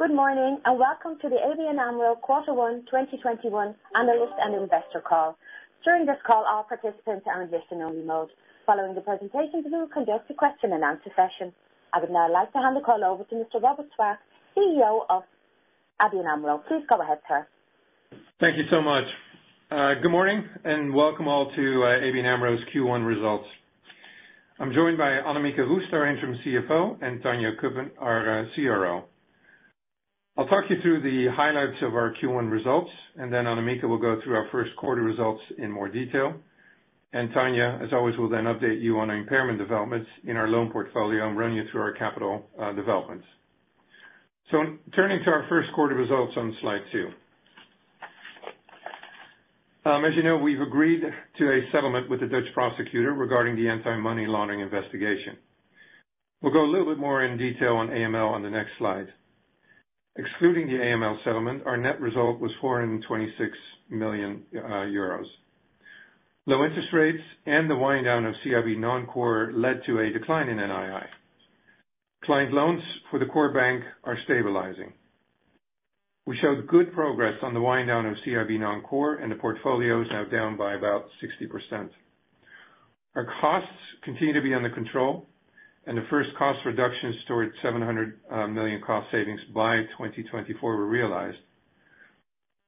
Good morning, welcome to the ABN AMRO Q1 2021 analyst and investor call. During this call, all participants are in listen-only mode. Following the presentation, we will conduct a question-and-answer session. I would now like to hand the call over to Mr. Robert Swaak, Chief Executive Officer of ABN AMRO. Please go ahead, sir. Thank you so much. Good morning, welcome all to ABN AMRO's Q1 results. I'm joined by Annemieke Roest, our interim Chief Financial Officer, and Tanja Cuppen, our Chief Risk Officer. I'll talk you through the highlights of our Q1 results, Annemieke will go through our first quarter results in more detail. Tanja, as always, will then update you on impairment developments in our loan portfolio and run you through our capital developments. Turning to our first quarter results on slide two. As you know, we've agreed to a settlement with the Dutch prosecutor regarding the anti-money laundering investigation. We'll go a little bit more in detail on AML on the next slide. Excluding the AML settlement, our net result was €426 million. Low interest rates and the wind down of CIB Non-Core led to a decline in NII. Client loans for the core bank are stabilizing. We showed good progress on the wind down of CIB Non-Core, the portfolio is now down by about 60%. Our costs continue to be under control, the first cost reductions towards 700 million cost savings by 2024 were realized.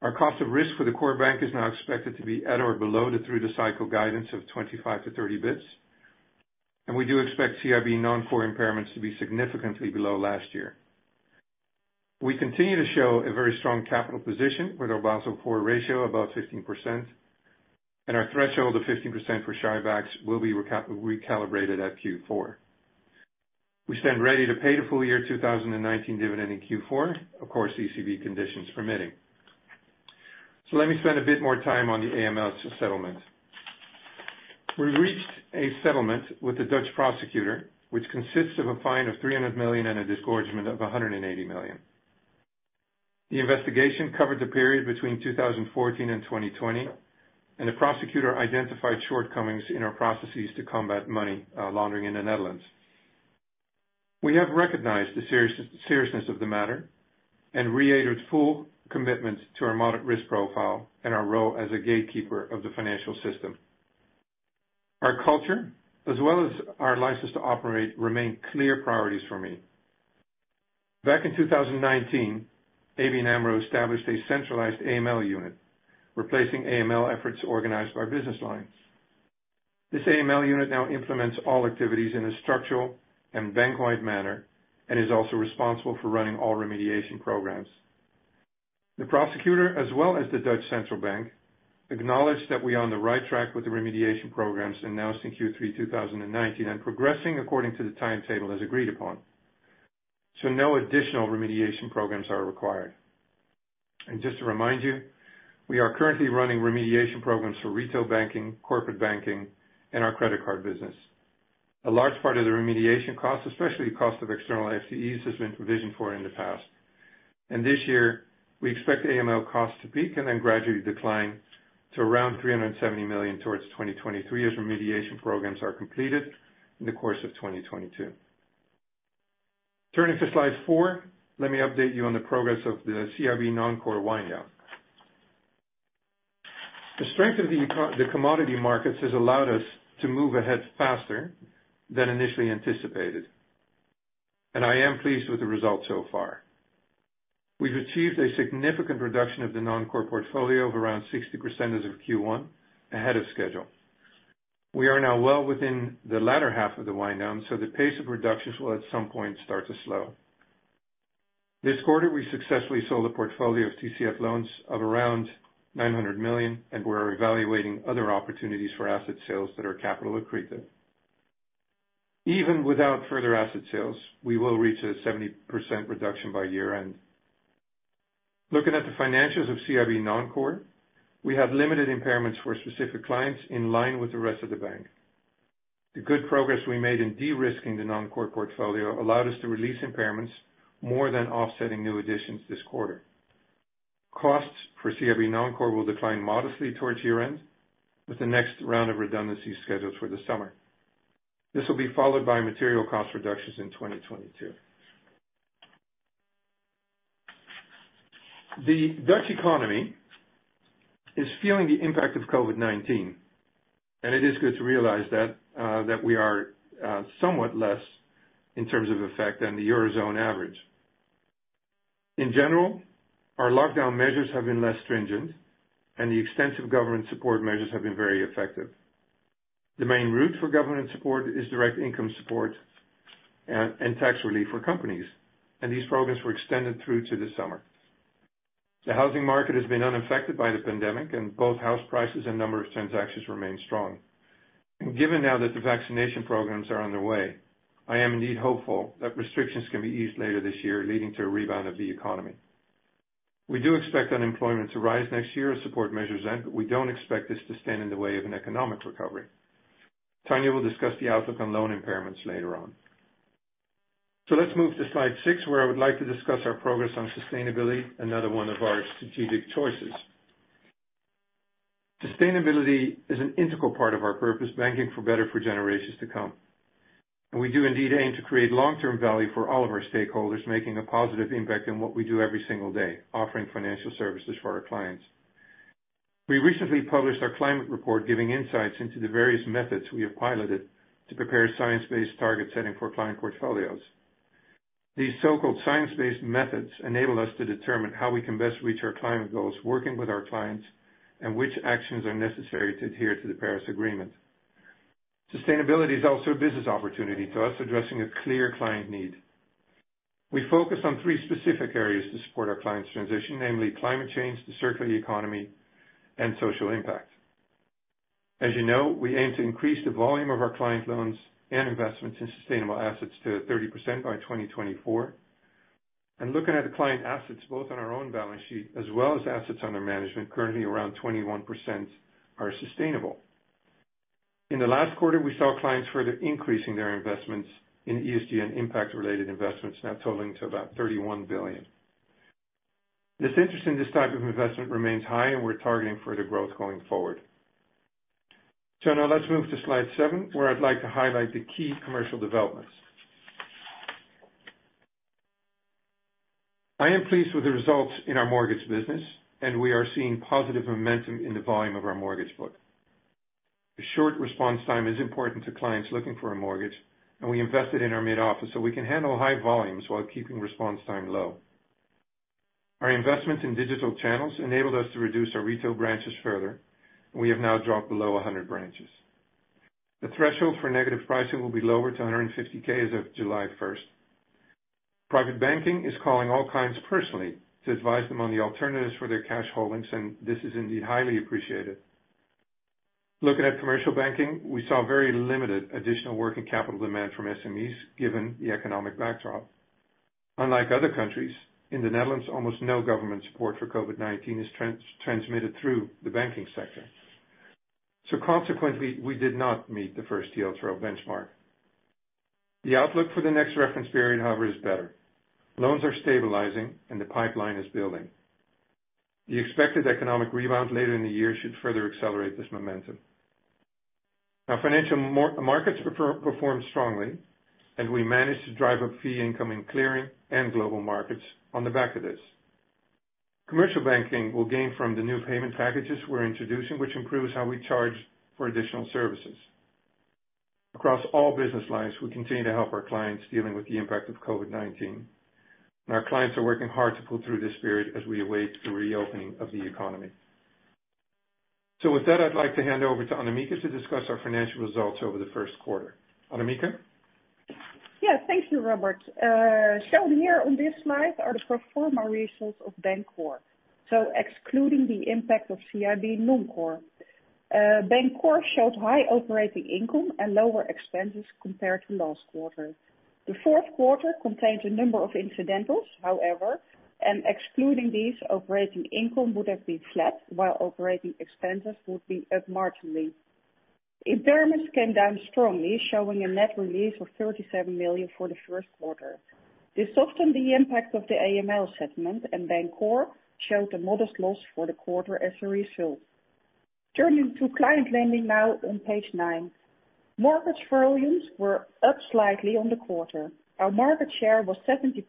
Our cost of risk for the core bank is now expected to be at or below the through-the-cycle guidance of 25-30 basis points. We do expect CIB Non-Core impairments to be significantly below last year. We continue to show a very strong capital position with our Basel IV ratio above 15%, and our threshold of 15% for share buybacks will be recalibrated at Q4. We stand ready to pay the full-year 2019 dividend in Q4, of course, ECB conditions permitting. Let me spend a bit more time on the AML settlement. We reached a settlement with the Dutch prosecutor, which consists of a fine of 300 million and a disgorgement of 180 million. The investigation covered the period between 2014 and 2020. The prosecutor identified shortcomings in our processes to combat money laundering in the Netherlands. We have recognized the seriousness of the matter and reiterated full commitment to our moderate risk profile and our role as a gatekeeper of the financial system. Our culture, as well as our license to operate, remain clear priorities for me. Back in 2019, ABN AMRO established a centralized AML unit, replacing AML efforts organized by business lines. This AML unit now implements all activities in a structural and bank-wide manner and is also responsible for running all remediation programs. The prosecutor, as well as the Dutch Central Bank, acknowledged that we are on the right track with the remediation programs announced in Q3 2019 and progressing according to the timetable as agreed upon. No additional remediation programs are required. Just to remind you, we are currently running remediation programs for retail banking, corporate banking, and our credit card business. A large part of the remediation cost, especially cost of external FTEs, has been provisioned for in the past. This year, we expect AML costs to peak and then gradually decline to around 370 million towards 2023 as remediation programs are completed in the course of 2022. Turning to slide four, let me update you on the progress of the CIB Non-Core wind down. The strength of the commodity markets has allowed us to move ahead faster than initially anticipated, and I am pleased with the results so far. We've achieved a significant reduction of the Non-Core portfolio of around 60% as of Q1, ahead of schedule. We are now well within the latter half of the wind down, so the pace of reductions will at some point start to slow. This quarter, we successfully sold a portfolio of TCF loans of around $900 million, and we're evaluating other opportunities for asset sales that are capital accretive. Even without further asset sales, we will reach a 70% reduction by year-end. Looking at the financials of CIB Non-Core, we have limited impairments for specific clients in line with the rest of the bank. The good progress we made in de-risking the Non-Core portfolio allowed us to release impairments more than offsetting new additions this quarter. Costs for CIB Non-Core will decline modestly towards year-end with the next round of redundancies scheduled for the summer. This will be followed by material cost reductions in 2022. The Dutch economy is feeling the impact of COVID-19. It is good to realize that we are somewhat less in terms of effect than the Eurozone average. In general, our lockdown measures have been less stringent. The extensive government support measures have been very effective. The main route for government support is direct income support and tax relief for companies. These programs were extended through to the summer. The housing market has been unaffected by the pandemic. Both house prices and number of transactions remain strong. Given now that the vaccination programs are underway, I am indeed hopeful that restrictions can be eased later this year, leading to a rebound of the economy. We do expect unemployment to rise next year as support measures end, but we don't expect this to stand in the way of an economic recovery. Tanja will discuss the outlook on loan impairments later on. Let's move to slide six, where I would like to discuss our progress on sustainability, another one of our strategic choices. Sustainability is an integral part of our purpose, banking for better for generations to come. We do indeed aim to create long-term value for all of our stakeholders, making a positive impact in what we do every single day, offering financial services for our clients. We recently published our climate report, giving insights into the various methods we have piloted to prepare science-based target setting for client portfolios. These so-called science-based methods enable us to determine how we can best reach our climate goals working with our clients, and which actions are necessary to adhere to the Paris Agreement. Sustainability is also a business opportunity to us, addressing a clear client need. We focus on three specific areas to support our clients' transition, namely climate change, the circular economy, and social impact. As you know, we aim to increase the volume of our client loans and investments in sustainable assets to 30% by 2024. Looking at the client assets, both on our own balance sheet as well as assets under management, currently around 21% are sustainable. In the last quarter, we saw clients further increasing their investments in ESG and impact-related investments, now totaling to about 31 billion. This interest in this type of investment remains high, and we're targeting further growth going forward. Now let's move to slide seven, where I'd like to highlight the key commercial developments. I am pleased with the results in our mortgage business, and we are seeing positive momentum in the volume of our mortgage book. The short response time is important to clients looking for a mortgage, and we invested in our mid-office so we can handle high volumes while keeping response time low. Our investments in digital channels enabled us to reduce our retail branches further. We have now dropped below 100 branches. The threshold for negative pricing will be lowered to €150,000 as of July 1st. Private banking is calling all clients personally to advise them on the alternatives for their cash holdings, and this is indeed highly appreciated. Looking at commercial banking, we saw very limited additional working capital demand from SMEs, given the economic backdrop. Unlike other countries, in the Netherlands, almost no government support for COVID-19 is transmitted through the banking sector. Consequently, we did not meet the first TLTRO benchmark. The outlook for the next reference period, however, is better. Loans are stabilizing and the pipeline is building. The expected economic rebound later in the year should further accelerate this momentum. Financial markets performed strongly, and we managed to drive up fee income in clearing and global markets on the back of this. Commercial banking will gain from the new payment packages we're introducing, which improves how we charge for additional services. Across all business lines, we continue to help our clients dealing with the impact of COVID-19. Our clients are working hard to pull through this period as we await the reopening of the economy. With that, I'd like to hand over to Annemieke to discuss our financial results over the first quarter. Annemieke? Yeah, thank you, Robert. Here on this slide are the pro forma results of Bank Core. Excluding the impact of CIB Non-Core. Bank Core showed high operating income and lower expenses compared to last quarter. The fourth quarter contains a number of incidentals, however, and excluding these, operating income would have been flat while operating expenses would be up marginally. Impairments came down strongly, showing a net release of 37 million for the first quarter. This softened the impact of the AML settlement, and Bank Core showed a modest loss for the quarter as a result. Turning to client lending now on page nine. Mortgage volumes were up slightly on the quarter. Our market share was 70%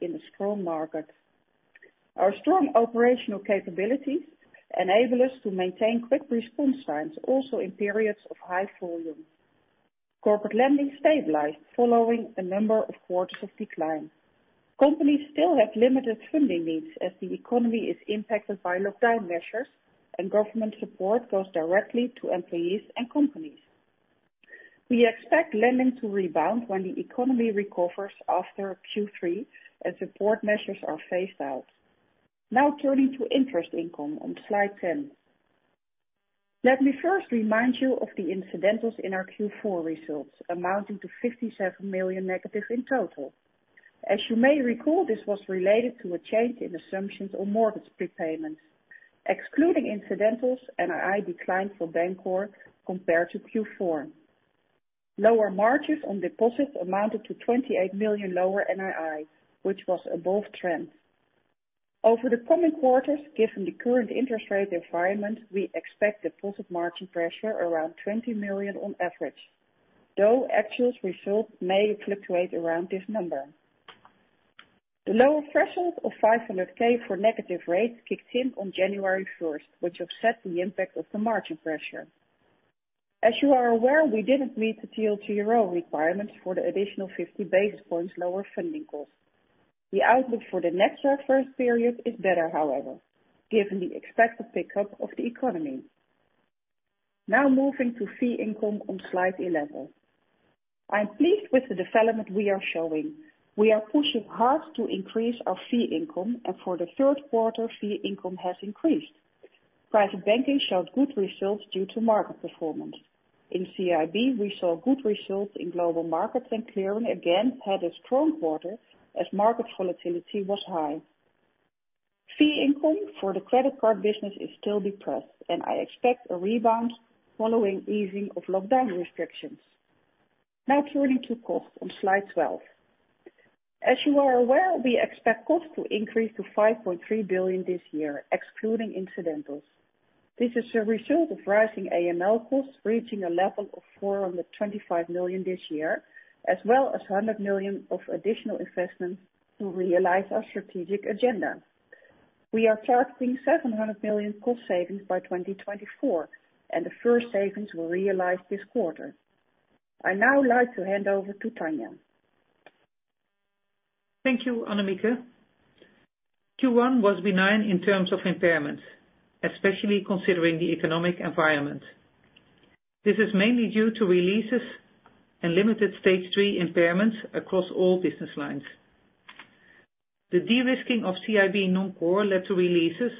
in a strong market. Our strong operational capabilities enable us to maintain quick response times, also in periods of high volume. Corporate lending stabilized following a number of quarters of decline. Companies still have limited funding needs as the economy is impacted by lockdown measures and government support goes directly to employees and companies. We expect lending to rebound when the economy recovers after Q3 as support measures are phased out. Turning to interest income on slide 10. Let me first remind you of the incidentals in our Q4 results, amounting to 57 million negative in total. As you may recall, this was related to a change in assumptions on mortgage prepayments. Excluding incidentals, NII declined for Bank Core compared to Q4. Lower margins on deposits amounted to 28 million lower NII, which was above trend. Over the coming quarters, given the current interest rate environment, we expect deposit margin pressure around 20 million on average. Actual results may fluctuate around this number. The lower threshold of 500,000 for negative rates kicked in on January 1st, which offset the impact of the margin pressure. As you are aware, we didn't meet the TLTRO requirements for the additional 50 basis points lower funding cost. The outlook for the next reference period is better, however, given the expected pickup of the economy. Now moving to fee income on slide 11. I'm pleased with the development we are showing. We are pushing hard to increase our fee income, and for the third quarter, fee income has increased. Private banking showed good results due to market performance. In CIB, we saw good results in global markets, and clearing again had a strong quarter as market volatility was high. Fee income for the credit card business is still depressed, and I expect a rebound following easing of lockdown restrictions. Turning to cost on slide 12. As you are aware, we expect costs to increase to 5.3 billion this year, excluding incidentals. This is a result of rising AML costs reaching a level of 425 million this year, as well as 100 million of additional investments to realize our strategic agenda. We are targeting 700 million cost savings by 2024, and the first savings will realize this quarter. I'd now like to hand over to Tanja. Thank you, Annemieke. Q1 was benign in terms of impairments, especially considering the economic environment. This is mainly due to releases and limited stage three impairments across all business lines. The de-risking of CIB Non-Core led to releases,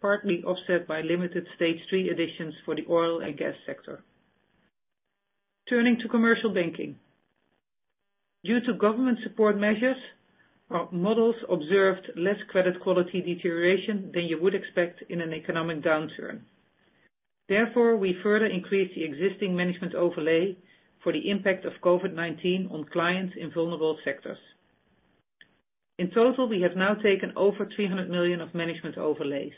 partly offset by limited stage three additions for the oil and gas sector. Turning to commercial banking. Due to government support measures, our models observed less credit quality deterioration than you would expect in an economic downturn. Therefore, we further increased the existing management overlay for the impact of COVID-19 on clients in vulnerable sectors. In total, we have now taken over 300 million of management overlays.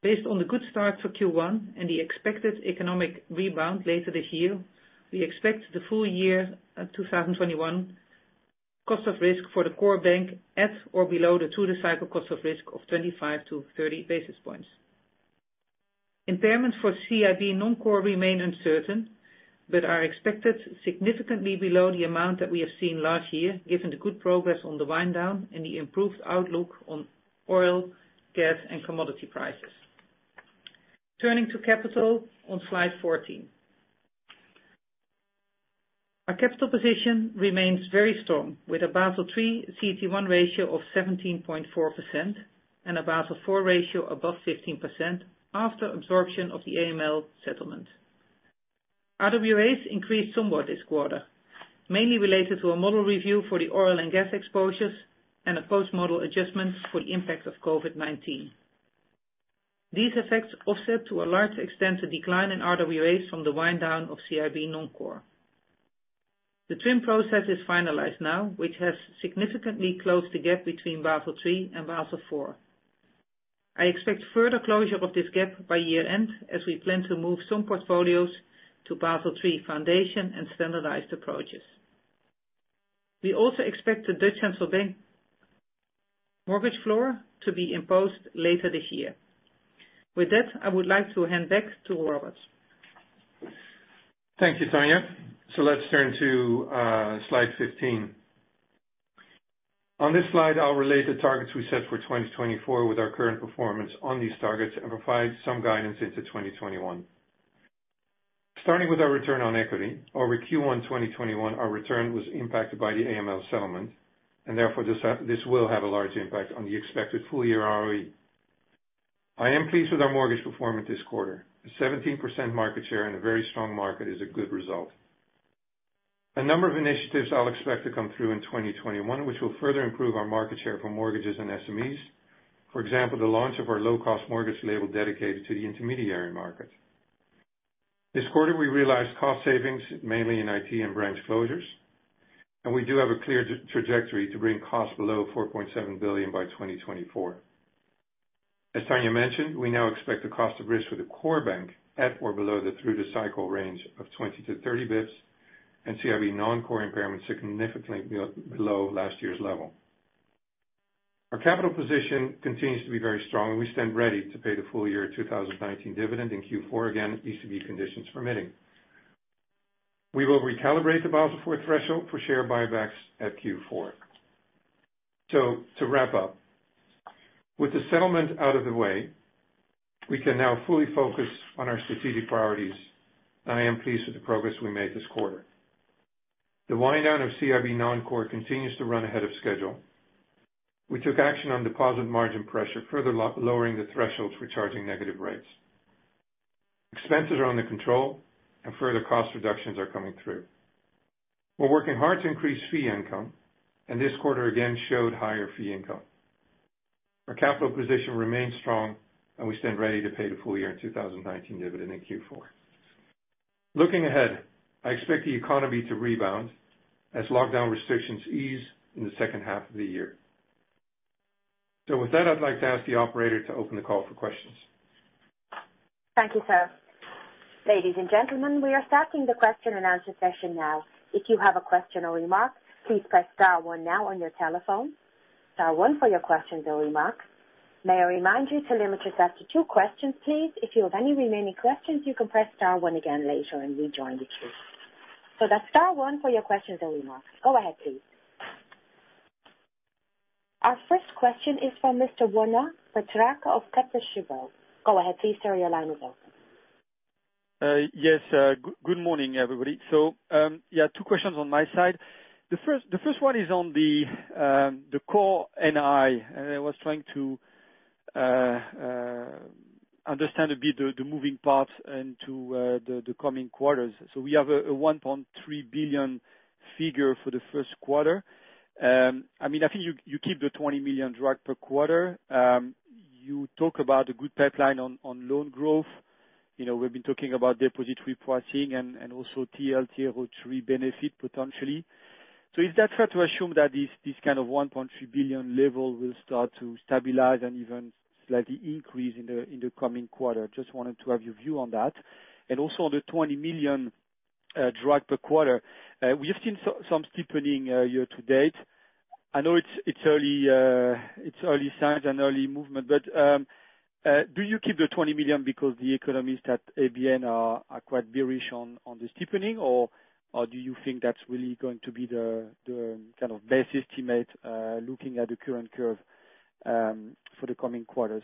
Based on the good start for Q1 and the expected economic rebound later this year, we expect the full year 2021 cost of risk for the core bank at or below the through-the-cycle cost of risk of 25 to 30 basis points. Impairments for CIB Non-Core remain uncertain, but are expected significantly below the amount that we have seen last year, given the good progress on the wind down and the improved outlook on oil, gas, and commodity prices. Turning to capital on slide 14. Our capital position remains very strong, with a Basel III CET1 ratio of 17.4% and a Basel IV ratio above 15% after absorption of the AML settlement. RWAs increased somewhat this quarter, mainly related to a model review for the oil and gas exposures and a post-model adjustment for the impact of COVID-19. These effects offset to a large extent, the decline in RWAs from the wind down of CIB Non-Core. The TRIM process is finalized now, which has significantly closed the gap between Basel III and Basel IV. I expect further closure of this gap by year-end as we plan to move some portfolios to Basel III foundation and standardized approaches. We also expect the Dutch Central Bank mortgage floor to be imposed later this year. With that, I would like to hand back to Robert. Thank you, Tanja. Let's turn to slide 15. On this slide, I'll relate the targets we set for 2024 with our current performance on these targets and provide some guidance into 2021. Starting with our return on equity. Over Q1 2021, our return was impacted by the AML settlement, and therefore this will have a large impact on the expected full-year ROE. I am pleased with our mortgage performance this quarter. A 17% market share in a very strong market is a good result. A number of initiatives I'll expect to come through in 2021, which will further improve our market share for mortgages and SMEs. For example, the launch of our low-cost mortgage label dedicated to the intermediary market. This quarter, we realized cost savings mainly in IT and branch closures, and we do have a clear trajectory to bring costs below 4.7 billion by 2024. As Tanja mentioned, we now expect the cost of risk for the core bank at or below the through-the-cycle range of 20 basis points-30 basis points, and CIB Non-Core impairments significantly below last year's level. Our capital position continues to be very strong, and we stand ready to pay the full year 2019 dividend in Q4, again, ECB conditions permitting. We will recalibrate the Basel IV threshold for share buybacks at Q4. To wrap up, with the settlement out of the way, we can now fully focus on our strategic priorities, and I am pleased with the progress we made this quarter. The wind down of CIB Non-Core continues to run ahead of schedule. We took action on deposit margin pressure, further lowering the thresholds for charging negative rates. Expenses are under control and further cost reductions are coming through. We're working hard to increase fee income, and this quarter again showed higher fee income. Our capital position remains strong, and we stand ready to pay the full year in 2019 dividend in Q4. Looking ahead, I expect the economy to rebound as lockdown restrictions ease in the second half of the year. With that, I'd like to ask the operator to open the call for questions. Thank you, sir. Ladies and gentlemen, we are starting the question and answer session now. If you have a question or remark please press star one now on your telephone. Star one for your question and remarks, may I remind you to limit your question to two question please. If you have any remaining question you can press star one again later and rejoin the queue. So that's star one for your question and remark. Our first question is from Mr. Benoît Pétrarque of Credit Suisse. Go ahead, please. Sir, your line is open. Yes. Good morning, everybody. Two questions on my side. The first one is on the core NII. I was trying to understand a bit the moving parts into the coming quarters. We have a 1.3 billion figure for the first quarter. I think you keep the 20 million drag per quarter. You talk about a good pipeline on loan growth. We've been talking about deposit repricing and also TLTRO III benefit potentially. Is that fair to assume that this kind of 1.3 billion level will start to stabilize and even slightly increase in the coming quarter? Just wanted to have your view on that. Also on the 20 million drop per quarter. We have seen some steepening year to date. Do you keep the 20 million because the economists at ABN are quite bearish on the steepening, or do you think that's really going to be the base estimate, looking at the current curve for the coming quarters?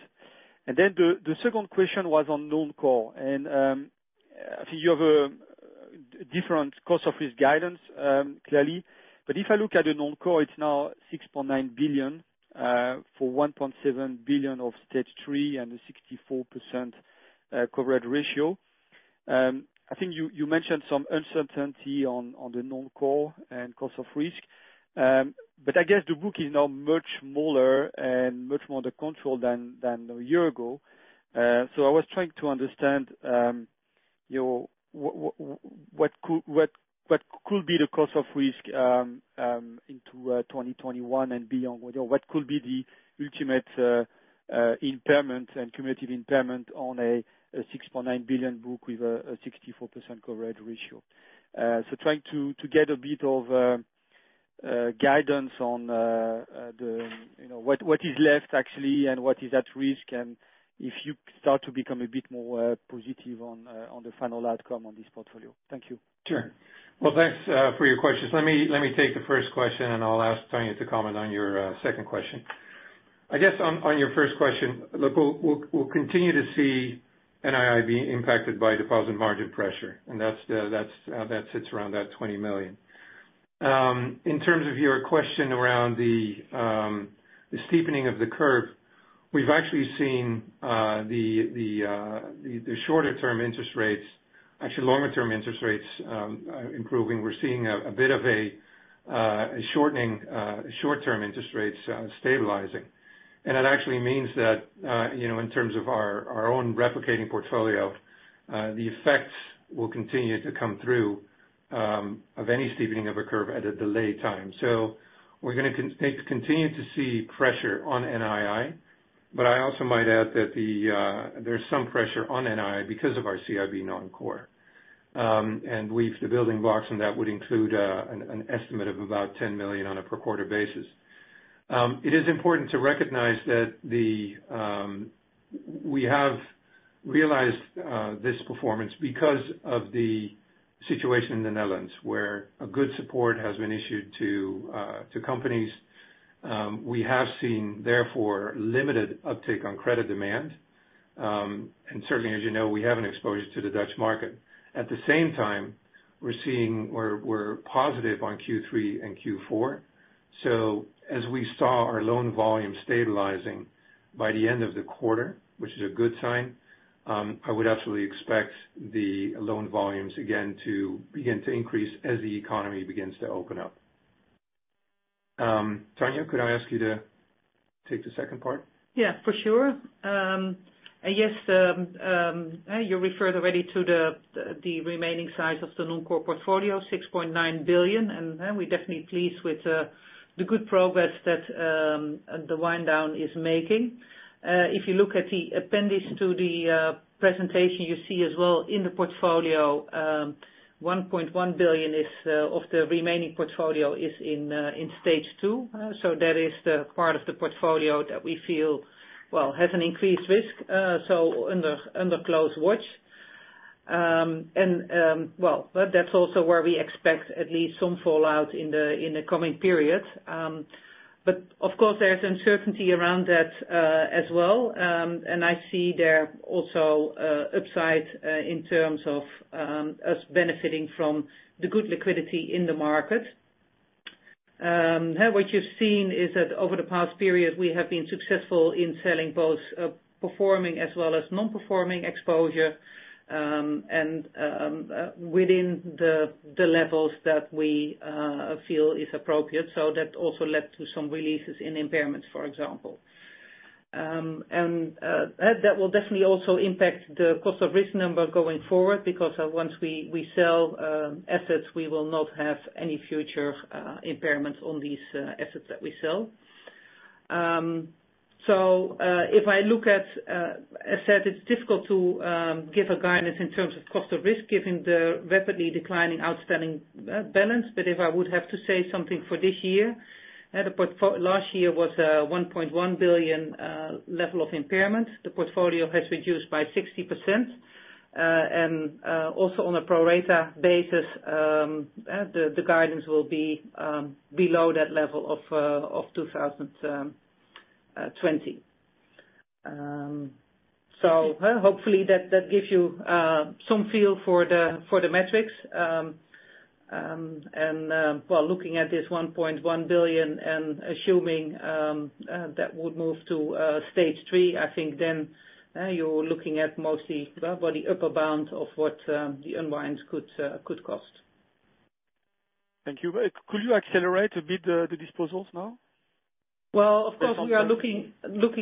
The second question was on non-core. I think you have a different cost of this guidance clearly. If I look at the non-core, it's now 6.9 billion for 1.7 billion of stage three and a 64% coverage ratio. I think you mentioned some uncertainty on the non-core and cost of risk. I guess the book is now much smaller and much more under control than a year ago. I was trying to understand what could be the cost of risk into 2021 and beyond. What could be the ultimate impairment and cumulative impairment on a 6.9 billion book with a 64% coverage ratio? Trying to get a bit of guidance on what is left, actually, and what is at risk, and if you start to become a bit more positive on the final outcome on this portfolio. Thank you. Sure. Well, thanks for your questions. Let me take the first question. I'll ask Tanja to comment on your second question. I guess on your first question, look, we'll continue to see NII be impacted by deposit margin pressure, and that sits around that 20 million. In terms of your question around the steepening of the curve, we've actually seen the shorter term interest rates, actually longer term interest rates improving. We're seeing a bit of a shortening short-term interest rates stabilizing. That actually means that in terms of our own replicating portfolio, the effects will continue to come through, of any steepening of a curve at a delayed time. We're going to continue to see pressure on NII. I also might add that there's some pressure on NII because of our CIB Non-Core. The building blocks on that would include an estimate of about 10 million on a per quarter basis. It is important to recognize that we have realized this performance because of the situation in the Netherlands, where a good support has been issued to companies. We have seen, therefore, limited uptake on credit demand. Certainly, as you know, we have an exposure to the Dutch market. At the same time, we're positive on Q3 and Q4. As we saw our loan volume stabilizing by the end of the quarter, which is a good sign, I would absolutely expect the loan volumes again to begin to increase as the economy begins to open up. Tanja, could I ask you to take the second part? Yeah, for sure. Yes, you referred already to the remaining size of the non-core portfolio, 6.9 billion. We're definitely pleased with the good progress that the wind down is making. If you look at the appendix to the presentation, you see as well in the portfolio, 1.1 billion of the remaining portfolio is in stage two. That is the part of the portfolio that we feel has an increased risk. Under close watch. That's also where we expect at least some fallout in the coming period. Of course, there's uncertainty around that as well. I see there also upside in terms of us benefiting from the good liquidity in the market. What you've seen is that over the past period, we have been successful in selling both performing as well as non-performing exposure. Within the levels that we feel is appropriate. That also led to some releases in impairments, for example. That will definitely also impact the cost of risk number going forward, because once we sell assets, we will not have any future impairments on these assets that we sell. If I look at asset, it is difficult to give a guidance in terms of cost of risk, given the rapidly declining outstanding balance. If I would have to say something for this year, last year was 1.1 billion level of impairment. The portfolio has reduced by 60%. Also on a pro rata basis, the guidance will be below that level of 2020. Hopefully that gives you some feel for the metrics. Looking at this 1.1 billion and assuming that would move to stage three, I think then you are looking at mostly the upper bound of what the unwind could cost. Thank you. Could you accelerate a bit the disposals now? Well, of course, we are looking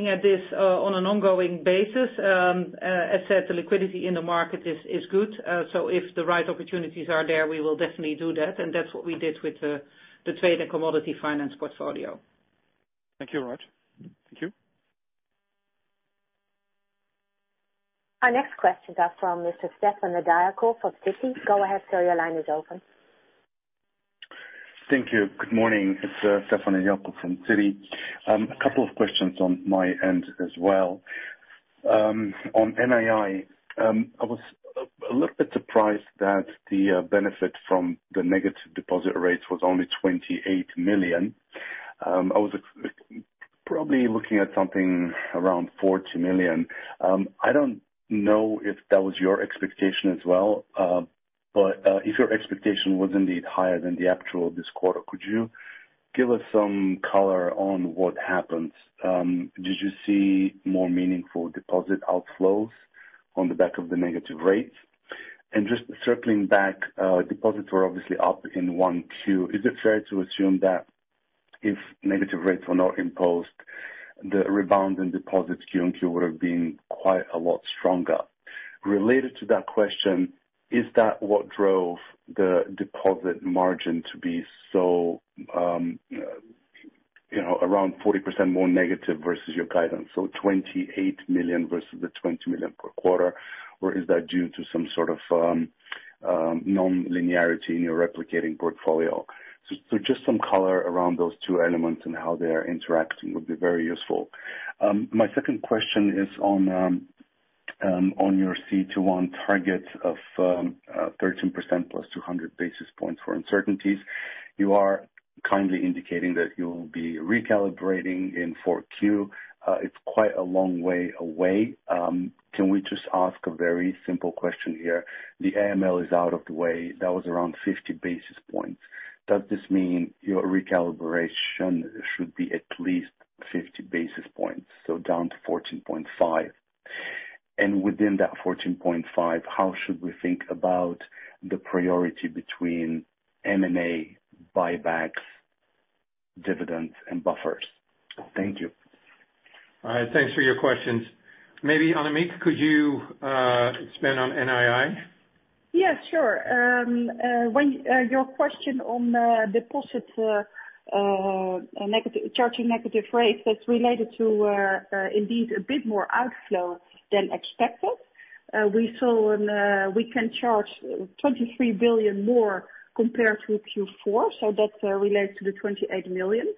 at this on an ongoing basis. As said, the liquidity in the market is good. If the right opportunities are there, we will definitely do that, and that's what we did with the trade and commodity finance portfolio. Thank you very much. Thank you. Our next questions are from Mr. Stefan Nedialkov from Citi. Go ahead, sir, your line is open. Thank you. Good morning. It is Stefan Nedialkov from Citi. A couple of questions on my end as well. On NII, I was a little bit surprised that the benefit from the negative deposit rates was only 28 million. I was probably looking at something around 40 million. I do not know if that was your expectation as well. If your expectation was indeed higher than the actual this quarter, could you give us some color on what happened? Did you see more meaningful deposit outflows on the back of the negative rates? Just circling back, deposits were obviously up in Q1. Is it fair to assume that if negative rates were not imposed, the rebound in deposits Q&Q would have been quite a lot stronger? Related to that question, is that what drove the deposit margin to be around 40% more negative versus your guidance, so 28 million versus the 20 million per quarter? Is that due to some sort of non-linearity in your replicating portfolio? Just some color around those two elements and how they are interacting would be very useful. My second question is on your CET1 targets of 13% plus 200 basis points for uncertainties. You are kindly indicating that you will be recalibrating in Q4. It's quite a long way away. Can we just ask a very simple question here? The AML is out of the way. That was around 50 basis points. Does this mean your recalibration should be at least 50 basis points, so down to 14.5%? Within that 14.5%, how should we think about the priority between M&A buybacks, dividends, and buffers? Thank you. Thanks for your questions. Maybe Annemieke, could you expand on NII? Yes, sure. Your question on deposits charging negative rates, that's related to indeed a bit more outflow than expected. We can charge 23 billion more compared to Q4, so that relates to the 28 million.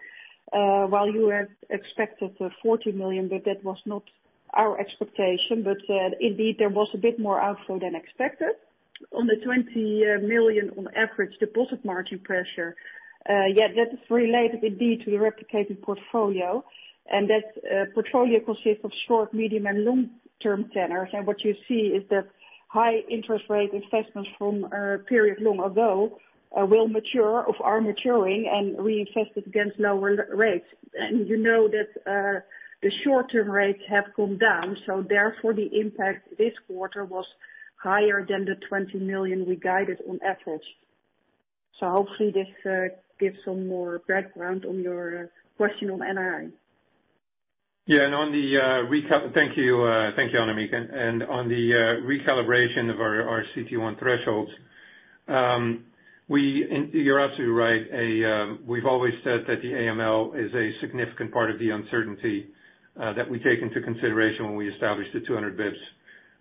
While you had expected 40 million, that was not our expectation. Indeed, there was a bit more outflow than expected. On the 20 million on average deposit margin pressure. Yeah, that is related indeed to the replicated portfolio. That portfolio consists of short, medium, and long-term tenors. What you see is that high interest rate investments from a period long ago will mature or are maturing and reinvested against lower rates. You know that the short-term rates have come down, so therefore, the impact this quarter was higher than the 20 million we guided on average. Hopefully this gives some more background on your question on NII. Thank you, Annemieke. On the recalibration of our CET1 thresholds, you're absolutely right. We've always said that the AML is a significant part of the uncertainty that we take into consideration when we establish the 200 basis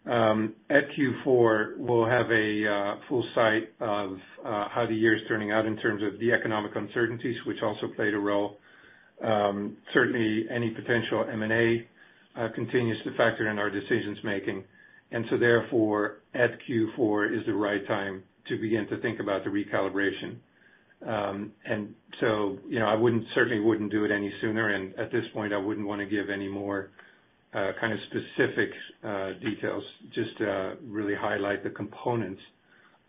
points. At Q4, we'll have a full sight of how the year is turning out in terms of the economic uncertainties, which also played a role. Certainly, any potential M&A continues to factor in our decision-making. Therefore, at Q4 is the right time to begin to think about the recalibration. I wouldn't certainly do it any sooner, and at this point, I wouldn't want to give any more specific details. Just really highlight the components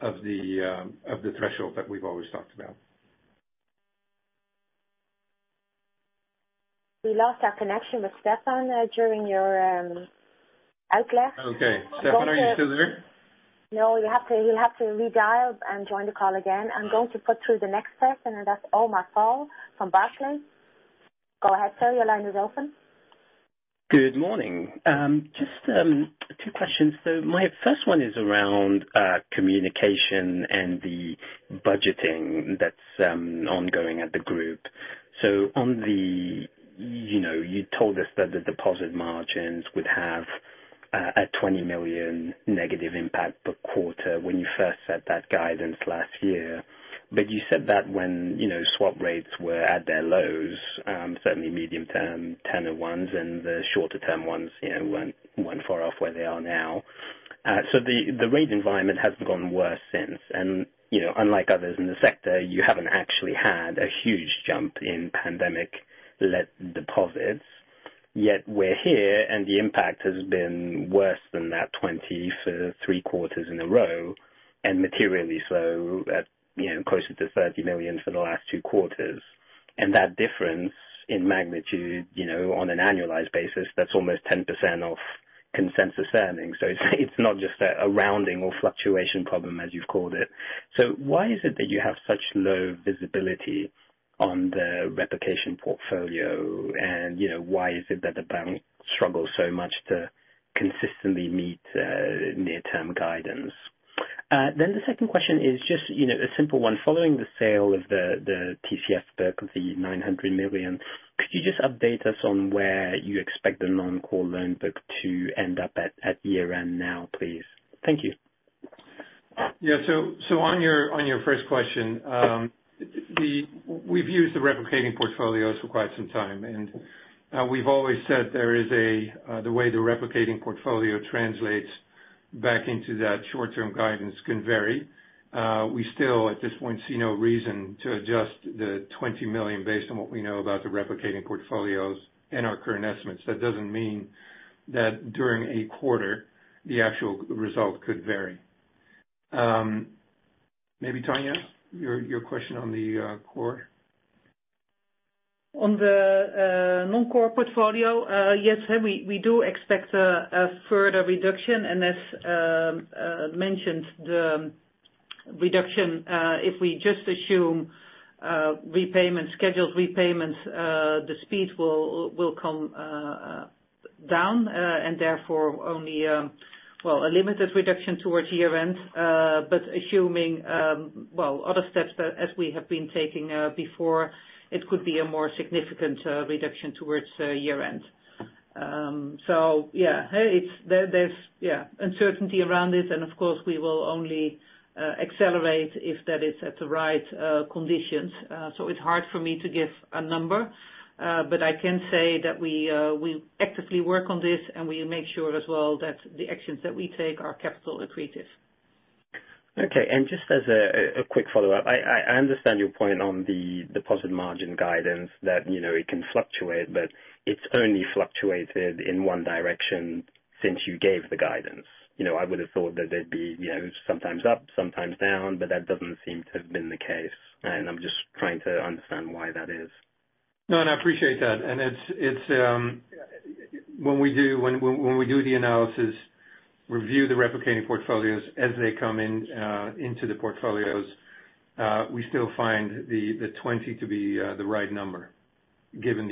of the threshold that we've always talked about. We lost our connection with Stefan during your outlook. Okay. Stefan, are you still there? No, he'll have to redial and join the call again. I'm going to put through the next person, and that's Omar Fall from Barclays. Go ahead, sir. Your line is open. Good morning. Just two questions though. My first one is around communication and the budgeting that's ongoing at the group. You told us that the deposit margins would have a 20 million negative impact per quarter when you first set that guidance last year. You said that when swap rates were at their lows, certainly medium-term tenor ones and the shorter-term ones weren't far off where they are now. The rate environment hasn't gotten worse since. Unlike others in the sector, you haven't actually had a huge jump in pandemic-led deposits. Yet we're here, and the impact has been worse than that 20 for three quarters in a row, and materially so at closer to 30 million for the last two quarters. That difference in magnitude on an annualized basis, that's almost 10% of consensus earnings. It's not just a rounding or fluctuation problem, as you've called it. Why is it that you have such low visibility on the replication portfolio? Why is it that the bank struggles so much to consistently meet near-term guidance? The second question is just a simple one. Following the sale of the TCF book of the $900 million, could you just update us on where you expect the non-core loan book to end up at year-end now, please? Thank you. On your first question, we've used the replicating portfolios for quite some time, and we've always said the way the replicating portfolio translates back into that short-term guidance can vary. We still, at this point, see no reason to adjust the 20 million based on what we know about the replicating portfolios in our current estimates. That doesn't mean that during a quarter, the actual result could vary. Maybe, Tanja, your question on the core. On the non-core portfolio, yes, we do expect a further reduction. As mentioned, the reduction, if we just assume scheduled repayments, the speed will come down, and therefore only a limited reduction towards year-end. Assuming other steps as we have been taking before, it could be a more significant reduction towards year-end. There's uncertainty around this, and of course, we will only accelerate if that is at the right conditions. It's hard for me to give a number, but I can say that we actively work on this, and we make sure as well that the actions that we take are capital accretive. Okay. Just as a quick follow-up, I understand your point on the deposit margin guidance that it can fluctuate, but it's only fluctuated in one direction since you gave the guidance. I would've thought that they'd be sometimes up, sometimes down, but that doesn't seem to have been the case, and I'm just trying to understand why that is. No. I appreciate that. When we do the analysis, review the replicating portfolios as they come into the portfolios, we still find the 20 to be the right number, given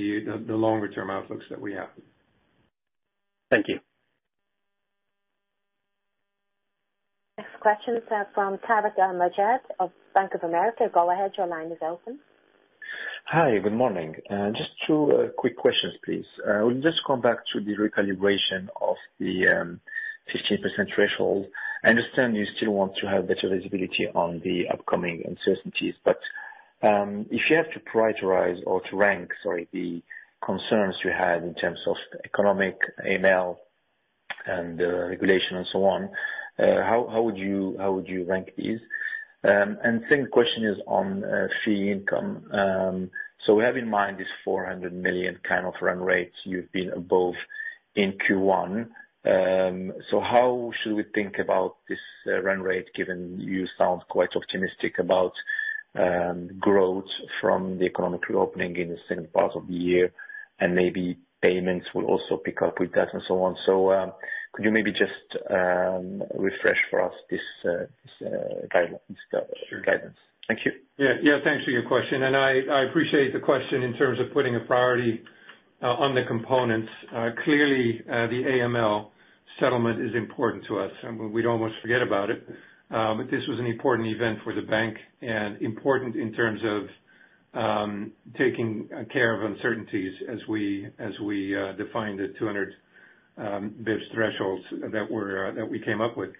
the longer-term outlooks that we have. Thank you. Next question is from Tarik El Mejjad of Bank of America. Go ahead, your line is open. Hi, good morning. Just two quick questions, please. We'll just come back to the recalibration of the 15% threshold. I understand you still want to have better visibility on the upcoming uncertainties, but if you have to prioritize or to rank, sorry, the concerns you had in terms of economic, AML, and regulation and so on, how would you rank these? Second question is on fee income. We have in mind this 400 million kind of run rates you've been above in Q1. How should we think about this run rate, given you sound quite optimistic about growth from the economic reopening in the second part of the year, and maybe payments will also pick up with that and so on. Could you maybe just refresh for us this guidance? Thank you. Yeah. Thanks for your question. I appreciate the question in terms of putting a priority on the components. Clearly, the AML settlement is important to us, and we'd almost forget about it. This was an important event for the bank and important in terms of taking care of uncertainties as we defined the 200 basis points thresholds that we came up with.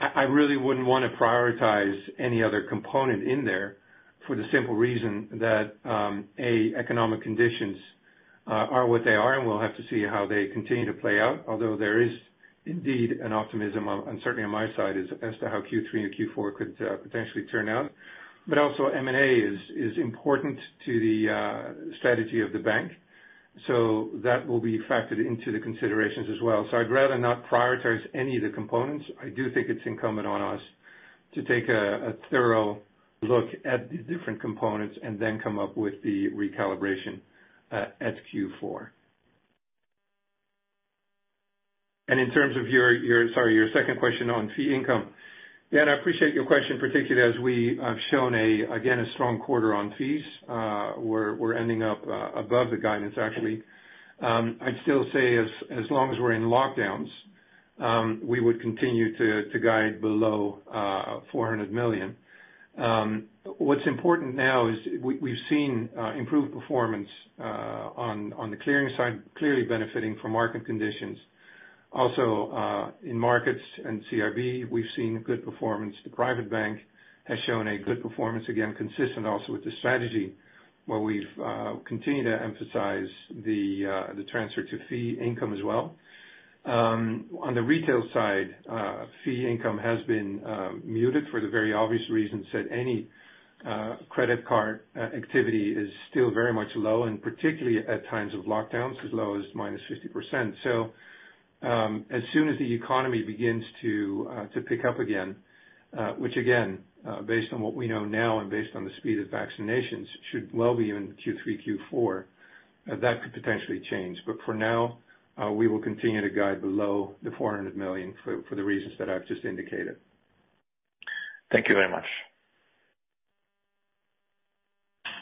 I really wouldn't want to prioritize any other component in there for the simple reason that, A, economic conditions are what they are, and we'll have to see how they continue to play out. Although there is indeed an optimism, and certainly on my side, as to how Q3 or Q4 could potentially turn out. Also M&A is important to the strategy of the bank. That will be factored into the considerations as well. I'd rather not prioritize any of the components. I do think it's incumbent on us to take a thorough look at the different components and then come up with the recalibration at Q4. In terms of your, sorry, your second question on fee income. Dan, I appreciate your question, particularly as we have shown, again, a strong quarter on fees. We're ending up above the guidance, actually. I'd still say as long as we're in lockdowns, we would continue to guide below 400 million. What's important now is we've seen improved performance on the clearing side, clearly benefiting from market conditions. In markets and CIB, we've seen good performance. The private bank has shown a good performance, again, consistent also with the strategy where we've continued to emphasize the transfer to fee income as well. On the retail side, fee income has been muted for the very obvious reasons that any credit card activity is still very much low, and particularly at times of lockdowns, as low as -50%. As soon as the economy begins to pick up again, which again based on what we know now and based on the speed of vaccinations, should well be in Q3, Q4, that could potentially change. For now, we will continue to guide below the 400 million for the reasons that I've just indicated. Thank you very much.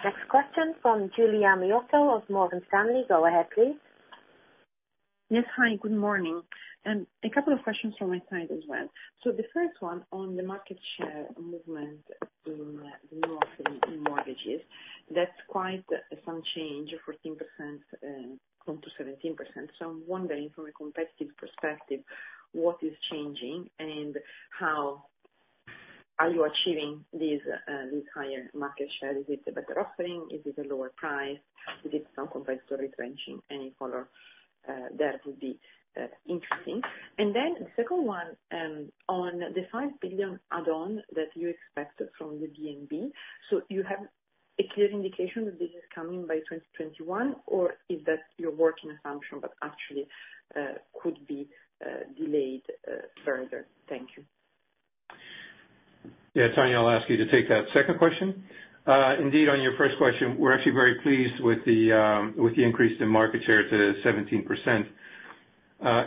Next question from Giulia Miotto of Morgan Stanley. Go ahead, please. Yes. Hi, good morning. A couple of questions from my side as well. The first one on the market share movement in the new offering in mortgages. That's quite some change, 14% down to 17%. I'm wondering from a competitive perspective, what is changing and how are you achieving this higher market share? Is it the better offering? Is it a lower price? Is it some competitive retrenching? Any color there would be interesting. The second one on the 5 billion add-on that you expected from the DNB. You have a clear indication that this is coming by 2021 or is that your working assumption, but actually could be delayed further? Thank you. Yeah. Tanja, I'll ask you to take that second question. On your first question, we're actually very pleased with the increase in market share to 17%.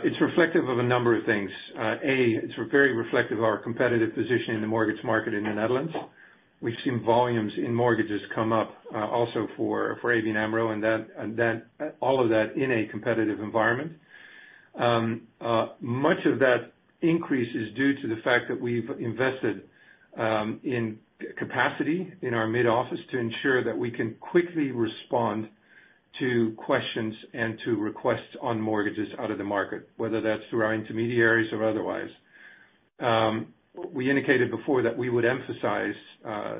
It's reflective of a number of things. A, it's very reflective of our competitive position in the mortgage market in the Netherlands. We've seen volumes in mortgages come up also for ABN AMRO and all of that in a competitive environment. Much of that increase is due to the fact that we've invested in capacity in our mid-office to ensure that we can quickly respond to questions and to requests on mortgages out of the market, whether that's through our intermediaries or otherwise. We indicated before that we would emphasize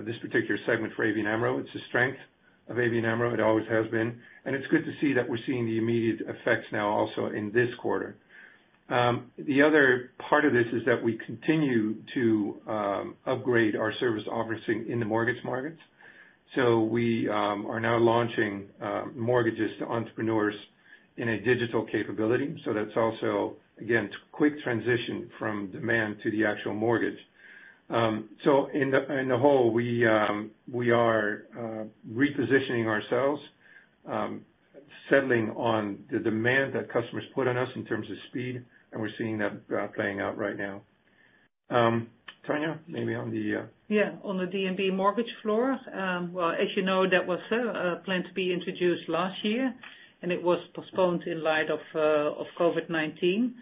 this particular segment for ABN AMRO. It's a strength of ABN AMRO. It always has been. It's good to see that we're seeing the immediate effects now also in this quarter. The other part of this is that we continue to upgrade our service offering in the mortgage markets. We are now launching mortgages to entrepreneurs in a digital capability. That's also, again, quick transition from demand to the actual mortgage. In the whole, we are repositioning ourselves, settling on the demand that customers put on us in terms of speed, and we're seeing that playing out right now. Tanja, maybe on the- Yeah. On the DNB mortgage floor. Well, as you know, that was planned to be introduced last year, and it was postponed in light of COVID-19.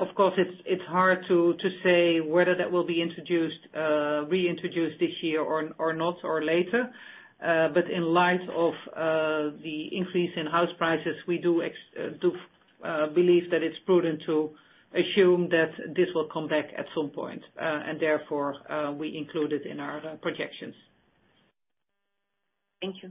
Of course, it's hard to say whether that will be reintroduced this year or not or later. In light of the increase in house prices, we do believe that it's prudent to assume that this will come back at some point, and therefore, we include it in our projections. Thank you.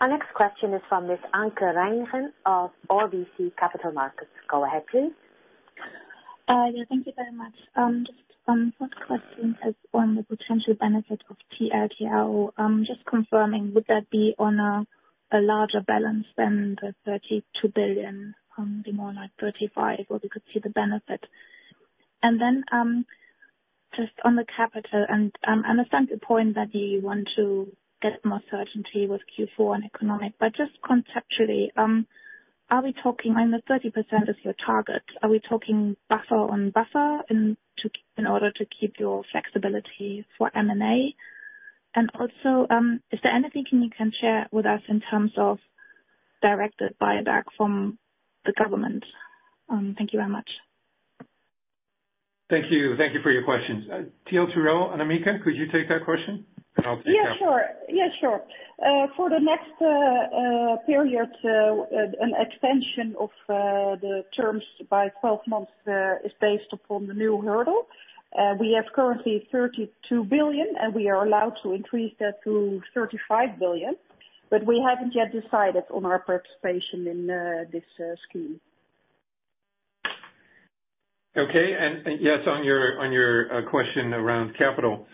Our next question is from Miss Anke Reingen of RBC Capital Markets. Go ahead, please. Yeah, thank you very much. Just one quick question on the potential benefit of TLTRO. Just confirming, would that be on a larger balance than the 32 billion, be more like 35 billion where we could see the benefit? Then just on the capital, and I understand the point that you want to get more certainty with Q4 and economic, but just conceptually, are we talking on the 30% is your target, are we talking buffer on buffer in order to keep your flexibility for M&A? Also, is there anything you can share with us in terms of directed buyback from the government? Thank you very much. Thank you. Thank you for your questions. TLTRO, Annemieke, could you take that question and I'll take the other one? Yeah, sure. For the next period, an extension of the terms by 12 months is based upon the new hurdle. We have currently 32 billion, and we are allowed to increase that to 35 billion, but we haven't yet decided on our participation in this scheme. Okay. Yes, on your question around capital.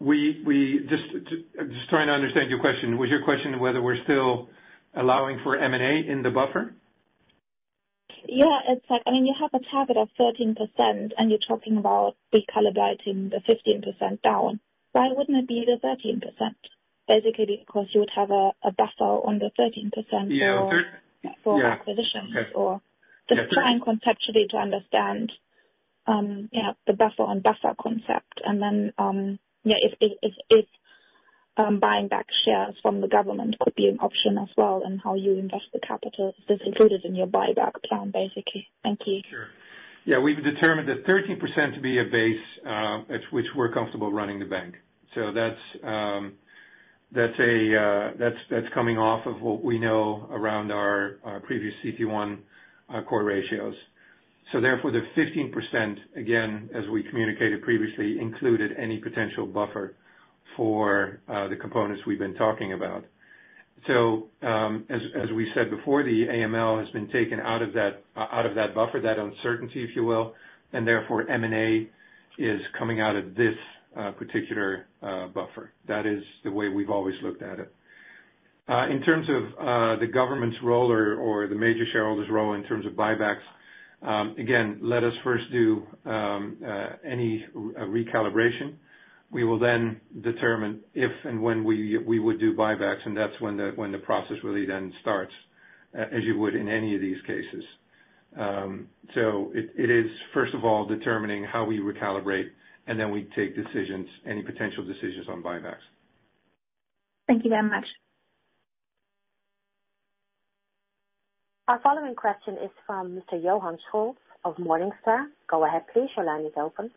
Just trying to understand your question. Was your question whether we're still allowing for M&A in the buffer? Yeah. I mean, you have a target of 13% and you're talking about recalibrating the 15% down. Why wouldn't it be the 13%? Basically, because you would have a buffer on the 13%. Yeah. for acquisitions or Yeah. Sure. just trying conceptually to understand the buffer on buffer concept and then if buying back shares from the government could be an option as well, and how you invest the capital if this included in your buyback plan, basically? Thank you. Sure. Yeah. We've determined that 13% to be a base at which we're comfortable running the bank. That's coming off of what we know around our previous CET1 core ratios. Therefore, the 15%, again, as we communicated previously, included any potential buffer for the components we've been talking about. As we said before, the AML has been taken out of that buffer, that uncertainty, if you will, and therefore M&A is coming out of this particular buffer. That is the way we've always looked at it. In terms of the government's role or the major shareholder's role in terms of buybacks, again, let us first do any recalibration. We will then determine if and when we would do buybacks, and that's when the process really then starts, as you would in any of these cases. It is first of all determining how we recalibrate, and then we take any potential decisions on buybacks. Thank you very much. Our following question is from Mr. Johann Scholtz of Morningstar. Go ahead, please. Your line is open.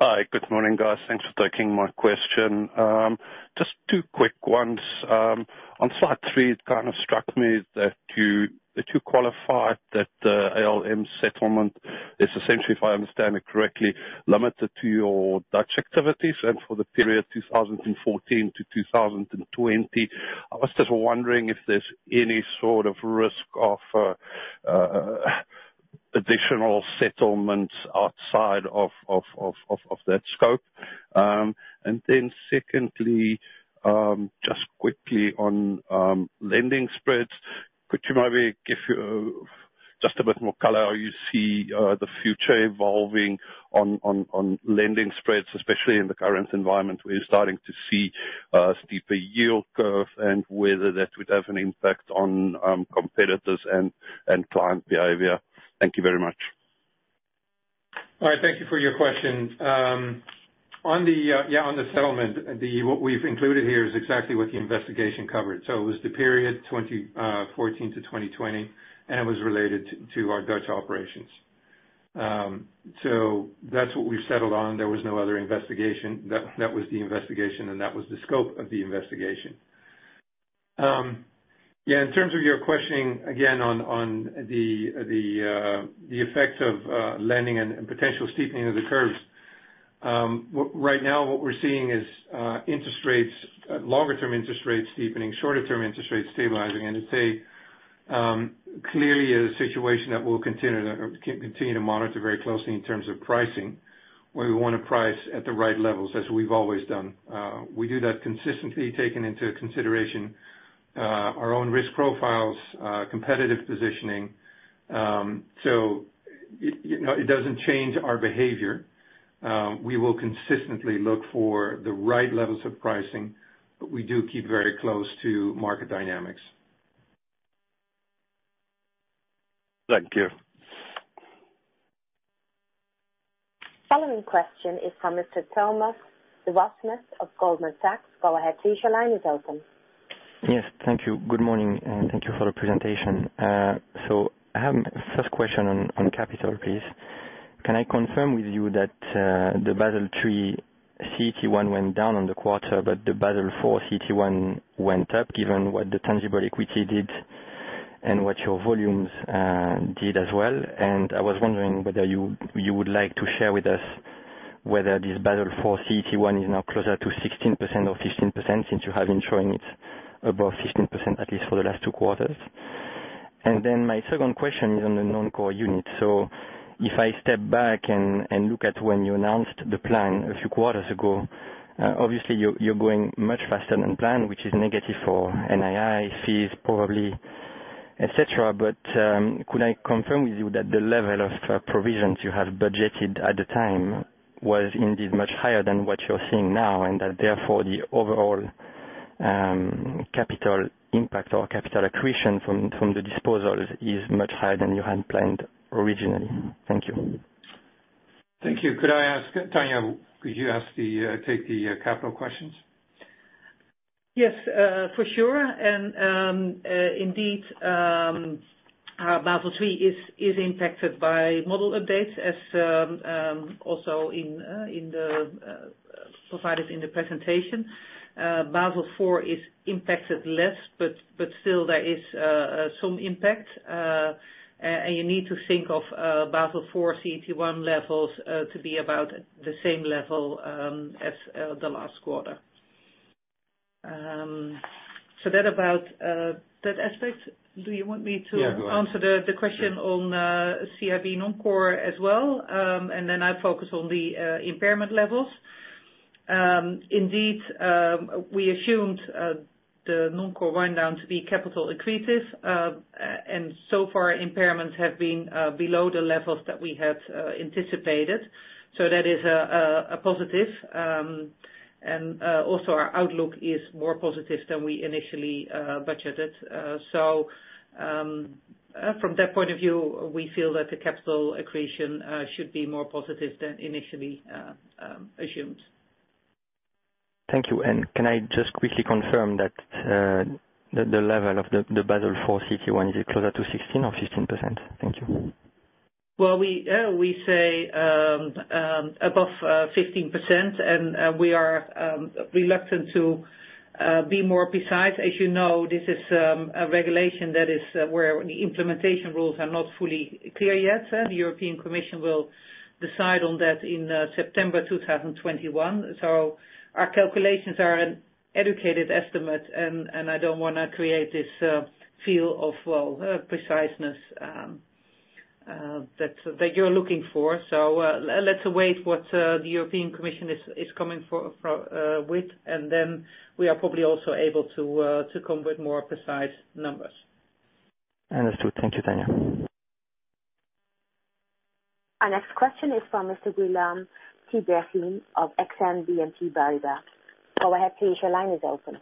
Hi. Good morning, guys. Thanks for taking my question. Just two quick ones. On slide three, it struck me that you qualified that the AML settlement is essentially, if I understand it correctly, limited to your Dutch activities, and for the period 2014 to 2020. I was just wondering if there's any sort of risk of additional settlements outside of that scope. Secondly, just quickly on lending spreads, could you maybe give just a bit more color how you see the future evolving on lending spreads, especially in the current environment? We're starting to see a steeper yield curve and whether that would have an impact on competitors and client behavior. Thank you very much. All right. Thank you for your question. On the settlement, what we've included here is exactly what the investigation covered. It was the period 2014 to 2020, and it was related to our Dutch operations. That's what we've settled on. There was no other investigation. That was the investigation, and that was the scope of the investigation. In terms of your questioning, again, on the effect of lending and potential steepening of the curves. Right now, what we're seeing is longer-term interest rates steepening, shorter-term interest rates stabilizing, and it's clearly a situation that we'll continue to monitor very closely in terms of pricing, where we want to price at the right levels as we've always done. We do that consistently, taking into consideration our own risk profiles, competitive positioning. It doesn't change our behavior. We will consistently look for the right levels of pricing, but we do keep very close to market dynamics. Thank you. Following question is from Mr. Thomas Dewasmes of Goldman Sachs. Go ahead, please. Your line is open. Yes. Thank you. Good morning, and thank you for the presentation. I have first question on capital, please. Can I confirm with you that the Basel III CET1 went down on the quarter, but the Basel IV CET1 went up, given what the tangible equity did and what your volumes did as well? I was wondering whether you would like to share with us whether this Basel IV CET1 is now closer to 16% or 15%, since you have been showing it above 15%, at least for the last two quarters. Then my second question is on the non-core unit. If I step back and look at when you announced the plan a few quarters ago, obviously you're going much faster than planned, which is negative for NII fees, probably, et cetera. Could I confirm with you that the level of provisions you have budgeted at the time was indeed much higher than what you're seeing now, and that therefore the overall capital impact or capital accretion from the disposals is much higher than you had planned originally? Thank you. Thank you. Tanja, could you take the capital questions? Yes, for sure. Indeed, our Basel III is impacted by model updates as also provided in the presentation. Basel IV is impacted less, but still there is some impact. You need to think of Basel IV CET1 levels to be about the same level as the last quarter. That about that aspect. Do you want me to? Yeah, go ahead answer the question on CIB Non-Core as well. I focus on the impairment levels. Indeed, we assumed the Non-Core wind down to be capital accretive. So far, impairments have been below the levels that we had anticipated. That is a positive. Also, our outlook is more positive than we initially budgeted. From that point of view, we feel that the capital accretion should be more positive than initially assumed. Thank you. Can I just quickly confirm that the level of the Basel IV CET1, is it closer to 16 or 15%? Thank you. We say above 15%, and we are reluctant to be more precise. As you know, this is a regulation that is where the implementation rules are not fully clear yet. The European Commission will decide on that in September 2021. Our calculations are an educated estimate, and I don't want to create this feel of preciseness that you're looking for. Let's await what the European Commission is coming with, and then we are probably also able to come with more precise numbers. Understood. Thank you, Tanja. Our next question is from Mr. Guillaume Tiberghien of Exane BNP Paribas. Go ahead please, your line is open.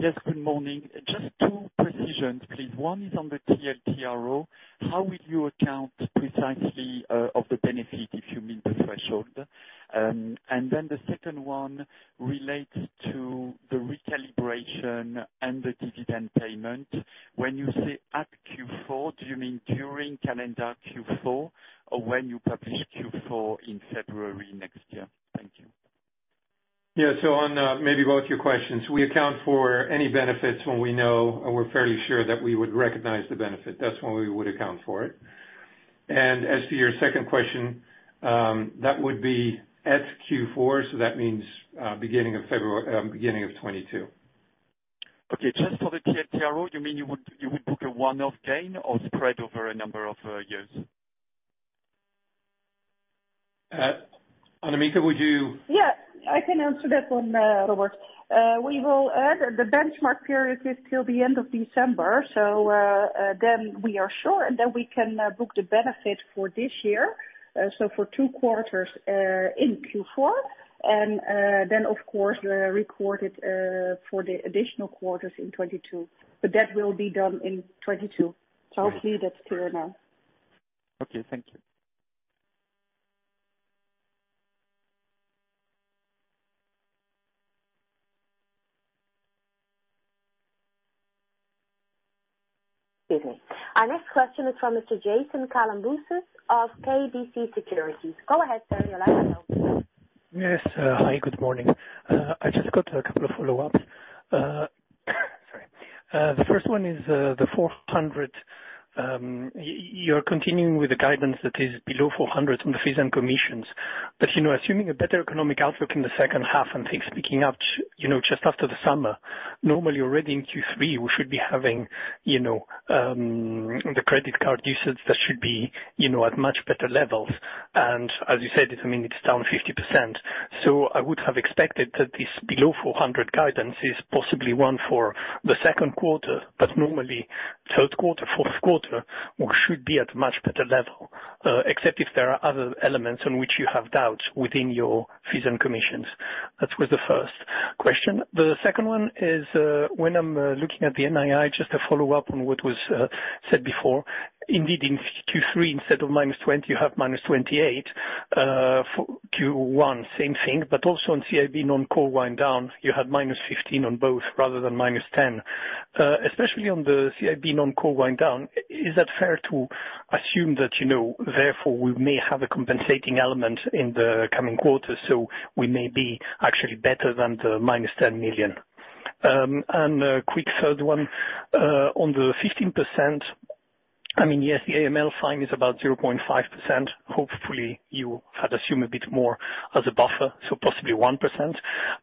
Yes, good morning. Just two precisions, please. One is on the TLTRO. How will you account precisely of the benefit if you meet the threshold? The second one relates to the recalibration and the dividend payment. When you say at Q4, do you mean during calendar Q4 or when you publish Q4 in February next year? Thank you. Yeah. On maybe both your questions, we account for any benefits when we know or we're fairly sure that we would recognize the benefit. That's when we would account for it. As to your second question, that would be at Q4, so that means beginning of 2022. Okay. Just for the TLTRO, you mean you would book a one-off gain or spread over a number of years? Annemieke. Yeah, I can answer that one, Robert. We will add the benchmark period is till the end of December, so then we are sure, and then we can book the benefit for this year. For two quarters, in Q4, and then of course, record it for the additional quarters in 2022. That will be done in 2022. Hopefully that's clear now. Okay, thank you. Excuse me. Our next question is from Mr. Jason Kalamboussis of KBC Securities. Go ahead, sir. Your line is open. Yes. Hi, good morning. I just got a couple of follow-ups. Sorry. The first one is, the 400. You are continuing with the guidance that is below 400 on the fees and commissions. Assuming a better economic outlook in the second half and things picking up just after the summer, normally already in Q3, we should be having the credit card usage that should be at much better levels. As you said, it is down 50%. I would have expected that this below 400 guidance is possibly one for the second quarter, but normally third quarter, fourth quarter, we should be at a much better level. Except if there are other elements on which you have doubts within your fees and commissions. That was the first question. The second one is, when I am looking at the NII, just to follow up on what was said before. Indeed, in Q3, instead of -20, you have -28. For Q1, same thing, but also on CIB Non-Core wind down, you had -15 on both rather than -10. Especially on the CIB Non-Core wind down, is that fair to assume that therefore we may have a compensating element in the coming quarters, so we may be actually better than the 10 million? A quick third one, on the 15%. Yes, the AML fine is about 0.5%. Hopefully you had assumed a bit more as a buffer, so possibly 1%.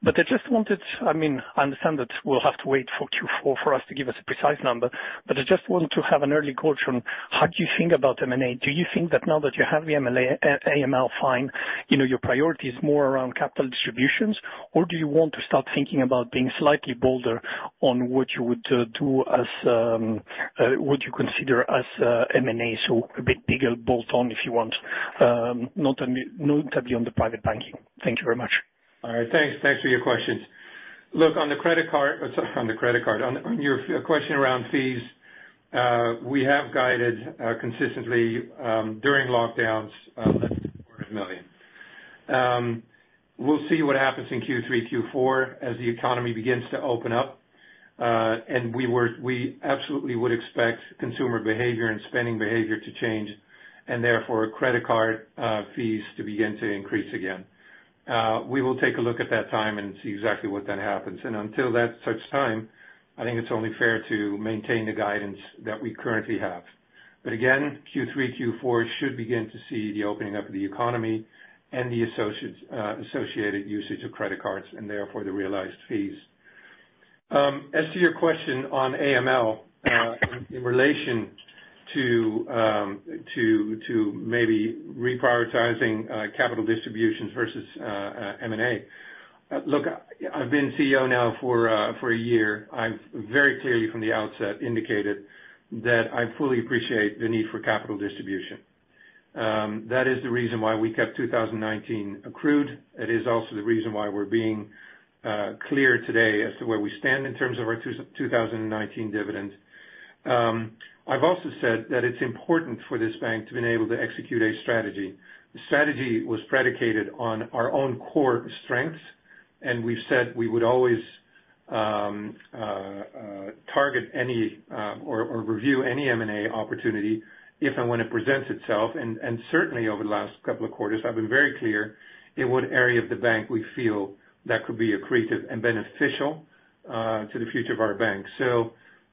I understand that we'll have to wait for Q4 for us to give us a precise number, but I just wanted to have an early call from how do you think about M&A. Do you think that now that you have the AML fine, your priority is more around capital distributions? Do you want to start thinking about being slightly bolder on what you would do as what you consider as M&A, so a bit bigger bolt on if you want, notably on the private banking. Thank you very much. All right. Thanks for your questions. Look, on your question around fees, we have guided consistently, during lockdowns, less than 400 million. We'll see what happens in Q3, Q4 as the economy begins to open up. We absolutely would expect consumer behavior and spending behavior to change, and therefore, credit card fees to begin to increase again. We will take a look at that time and see exactly what then happens. Until that such time, I think it's only fair to maintain the guidance that we currently have. Again, Q3, Q4 should begin to see the opening up of the economy and the associated usage of credit cards, and therefore the realized fees. As to your question on AML, in relation to maybe reprioritizing capital distributions versus M&A. Look, I've been Chief Executive Officer now for a year. I've very clearly from the outset indicated that I fully appreciate the need for capital distribution. That is the reason why we kept 2019 accrued. It is also the reason why we're being clear today as to where we stand in terms of our 2019 dividend. I've also said that it's important for this bank to be able to execute a strategy. The strategy was predicated on our own core strengths, and we've said we would always target any or review any M&A opportunity if and when it presents itself. Certainly over the last couple of quarters, I've been very clear in what area of the bank we feel that could be accretive and beneficial to the future of our bank.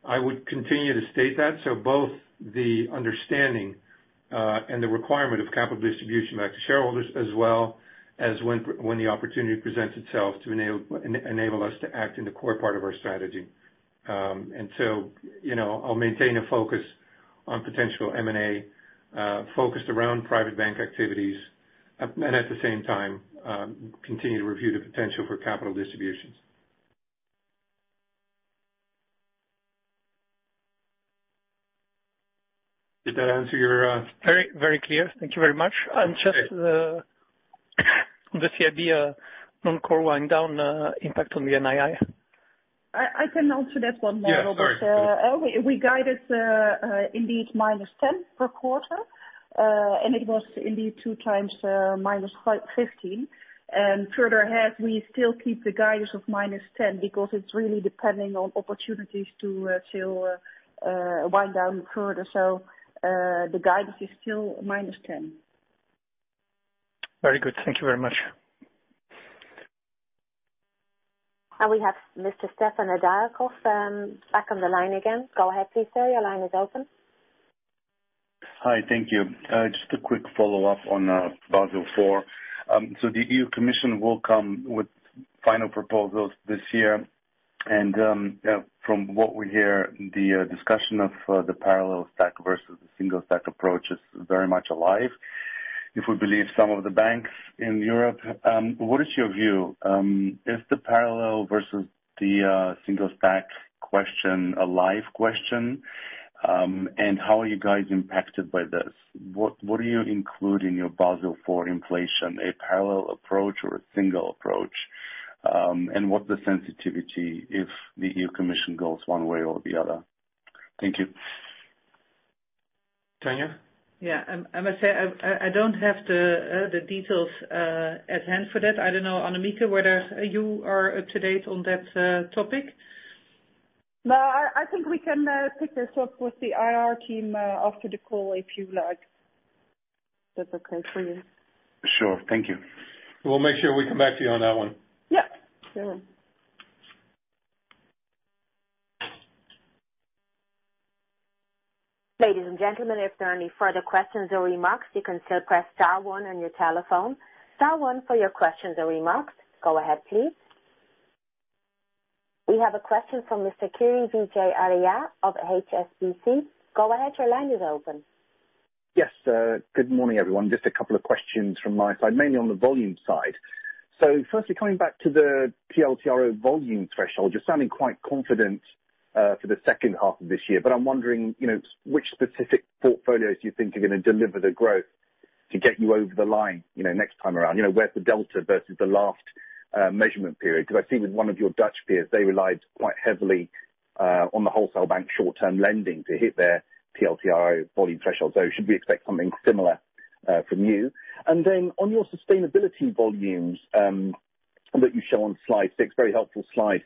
I would continue to state that. Both the understanding, and the requirement of capital distribution back to shareholders as well as when the opportunity presents itself to enable us to act in the core part of our strategy. I'll maintain a focus on potential M&A, focused around private bank activities, and at the same time, continue to review the potential for capital distributions. Did that answer your? Very clear. Thank you very much. Okay. Just the CIB Non-Core wind down impact on the NII. I can answer that one, Marcel. Yeah, sorry. We guided indeed -10 per quarter. It was indeed two times minus 15. Further ahead, we still keep the guidance of -10 because it's really depending on opportunities to wind down further. The guidance is still -10. Very good. Thank you very much. We have Mr. Stefan Nedialkov back on the line again. Go ahead please, sir, your line is open. Hi. Thank you. Just a quick follow-up on Basel IV. The European Commission will come with final proposals this year. From what we hear, the discussion of the parallel stack versus the single stack approach is very much alive, if we believe some of the banks in Europe. What is your view? Is the parallel versus the single stack question a live question? How are you guys impacted by this? What do you include in your Basel IV inflation, a parallel approach or a single approach? What the sensitivity if the European Commission goes one way or the other? Thank you Tanja? Yeah. I must say, I don't have the details at hand for that. I don't know, Annemieke, whether you are up to date on that topic. No. I think we can pick this up with the IR team after the call, if you like. If that's okay for you. Sure. Thank you. We'll make sure we come back to you on that one. Yeah, sure. Ladies and gentlemen, if there are any further questions or remarks, you can still press star one on your telephone. Star one for your questions or remarks. Go ahead, please. We have a question from Mr. Kiri Vijayarajah of HSBC. Go ahead, your line is open. Yes, good morning, everyone. Just a couple of questions from my side, mainly on the volume side. Firstly, coming back to the TLTRO volume threshold, you're sounding quite confident for the second half of this year. I'm wondering which specific portfolios do you think are going to deliver the growth to get you over the line next time around. Where's the delta versus the last measurement period? I see with one of your Dutch peers, they relied quite heavily on the wholesale bank short-term lending to hit their TLTRO volume threshold. Should we expect something similar from you? Then on your sustainability volumes that you show on slide six, very helpful slide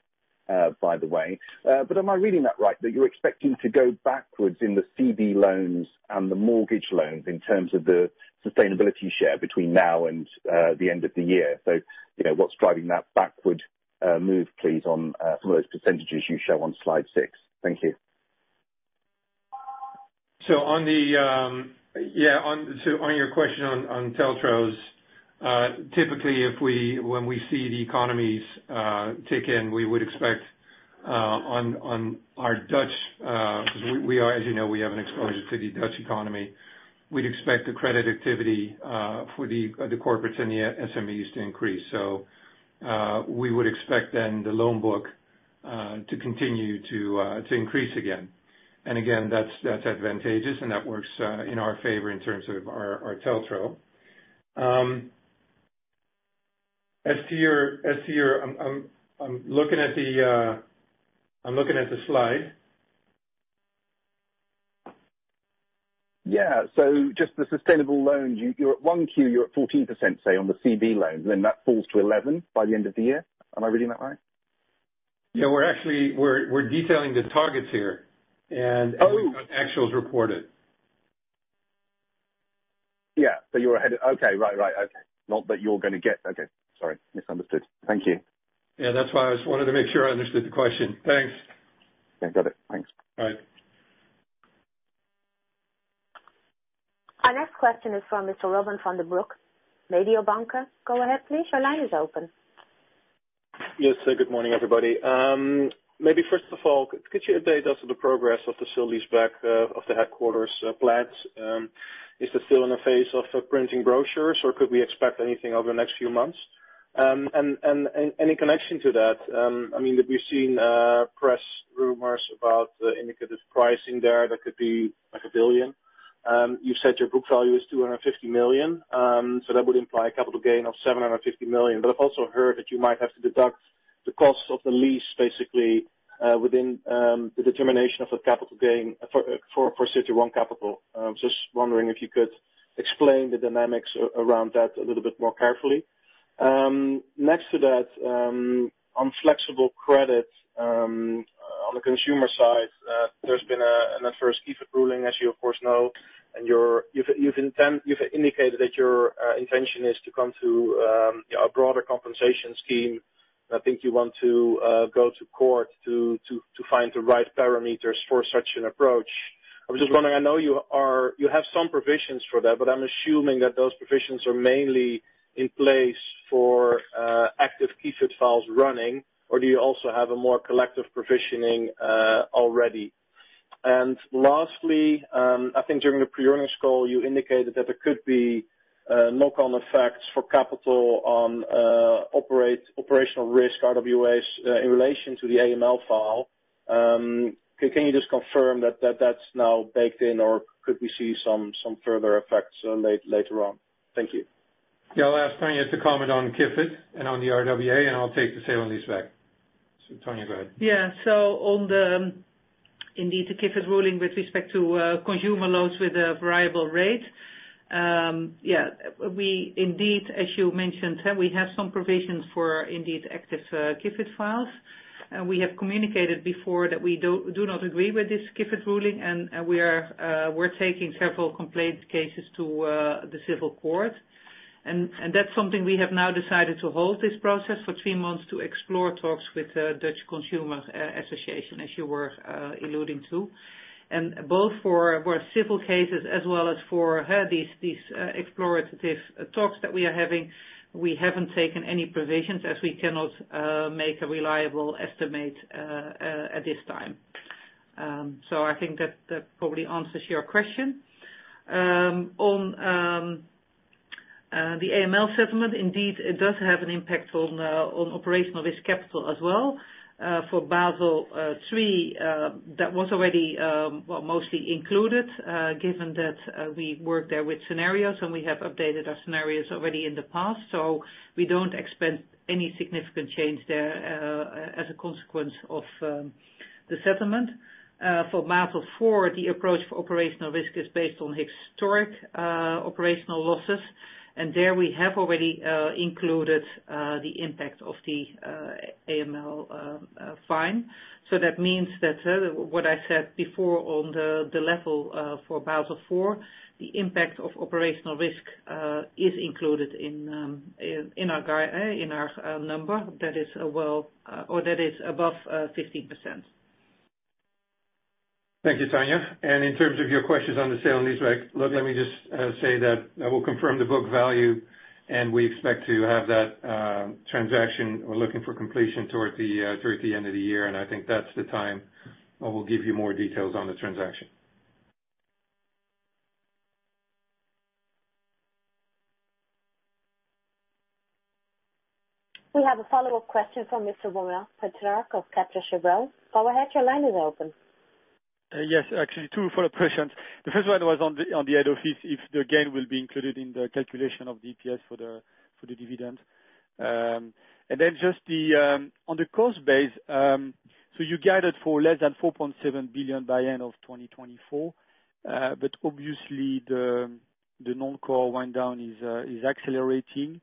by the way. Am I reading that right that you're expecting to go backwards in the CB loans and the mortgage loans in terms of the sustainability share between now and the end of the year? What's driving that backward move, please, from those percentages you show on slide six? Thank you. On your question on TLTROs, typically when we see the economies tick in, we would expect on our Dutch, because as you know, we have an exposure to the Dutch economy. We'd expect the credit activity for the corporates and the SMEs to increase. We would expect the loan book to continue to increase again. Again, that's advantageous and that works in our favor in terms of our TLTRO. I'm looking at the slide. Yeah. Just the sustainable loans. one Q, you're at 14%, say on the CB loans, then that falls to 11 by the end of the year. Am I reading that right? Yeah, we're detailing the targets here. Oh. We've got the actuals reported. Yeah. You're ahead. Okay. Right. Not that you're going to get Okay. Sorry. Misunderstood. Thank you. That's why I just wanted to make sure I understood the question. Thanks. Yeah, got it. Thanks. Bye. Our next question is from Mr. Robin van den Broek, Mediobanca. Go ahead please, your line is open. Yes. Good morning, everybody. Maybe first of all, could you update us on the progress of the sale leaseback of the headquarters plans? Is it still in the phase of printing brochures, or could we expect anything over the next few months? In connection to that, we've seen press rumors about the indicative pricing there that could be like 1 billion. You said your book value is 250 million, that would imply a capital gain of 750 million. I've also heard that you might have to deduct the cost of the lease basically, within the determination of the capital gain for CET1 capital. I'm just wondering if you could explain the dynamics around that a little bit more carefully. Next to that, on flexible credit on the consumer side, there's been an adverse Kifid ruling, as you of course know. You've indicated that your intention is to come to a broader compensation scheme. I think you want to go to court to find the right parameters for such an approach. I was just wondering, I know you have some provisions for that, but I'm assuming that those provisions are mainly in place for active Kifid files running, or do you also have a more collective provisioning already? Lastly, I think during the pre-earnings call, you indicated that there could be knock-on effects for capital on operational risk, RWAs, in relation to the AML file. Can you just confirm that that's now baked in, or could we see some further effects later on? Thank you. Yeah. I'll ask Tanja to comment on Kifid and on the RWA, and I'll take the sale and leaseback. Tanja, go ahead. On the, indeed, the Kifid ruling with respect to consumer loans with a variable rate. We indeed, as you mentioned, we have some provisions for indeed active Kifid files. We have communicated before that we do not agree with this Kifid ruling, and we're taking several complaint cases to the civil court, and that's something we have now decided to hold this process for three months to explore talks with the Consumentenbond, as you were alluding to. Both for civil cases as well as for these explorative talks that we are having, we haven't taken any provisions as we cannot make a reliable estimate at this time. I think that probably answers your question. On the AML settlement, indeed, it does have an impact on operational risk capital as well. For Basel III, that was already mostly included, given that we work there with scenarios, and we have updated our scenarios already in the past. We don't expect any significant change there as a consequence of the settlement. For Basel IV, the approach for operational risk is based on historic operational losses, and there we have already included the impact of the AML fine. That means that what I said before on the level for Basel IV, the impact of operational risk is included in our number, that is above 15%. Thank you, Tanja. In terms of your questions on the sale and leaseback, let me just say that I will confirm the book value, and we expect to have that transaction, we're looking for completion toward the end of the year, and I think that's the time where we'll give you more details on the transaction. We have a follow-up question from Mr. Romain Paquereau of Crédit Agricole. Go ahead, your line is open. Yes. Actually, two follow-up questions. The first one was on the head office, if the gain will be included in the calculation of the EPS for the dividend. Just on the cost base, you guided for less than 4.7 billion by end of 2024. Obviously, the Non-Core wind down is accelerating.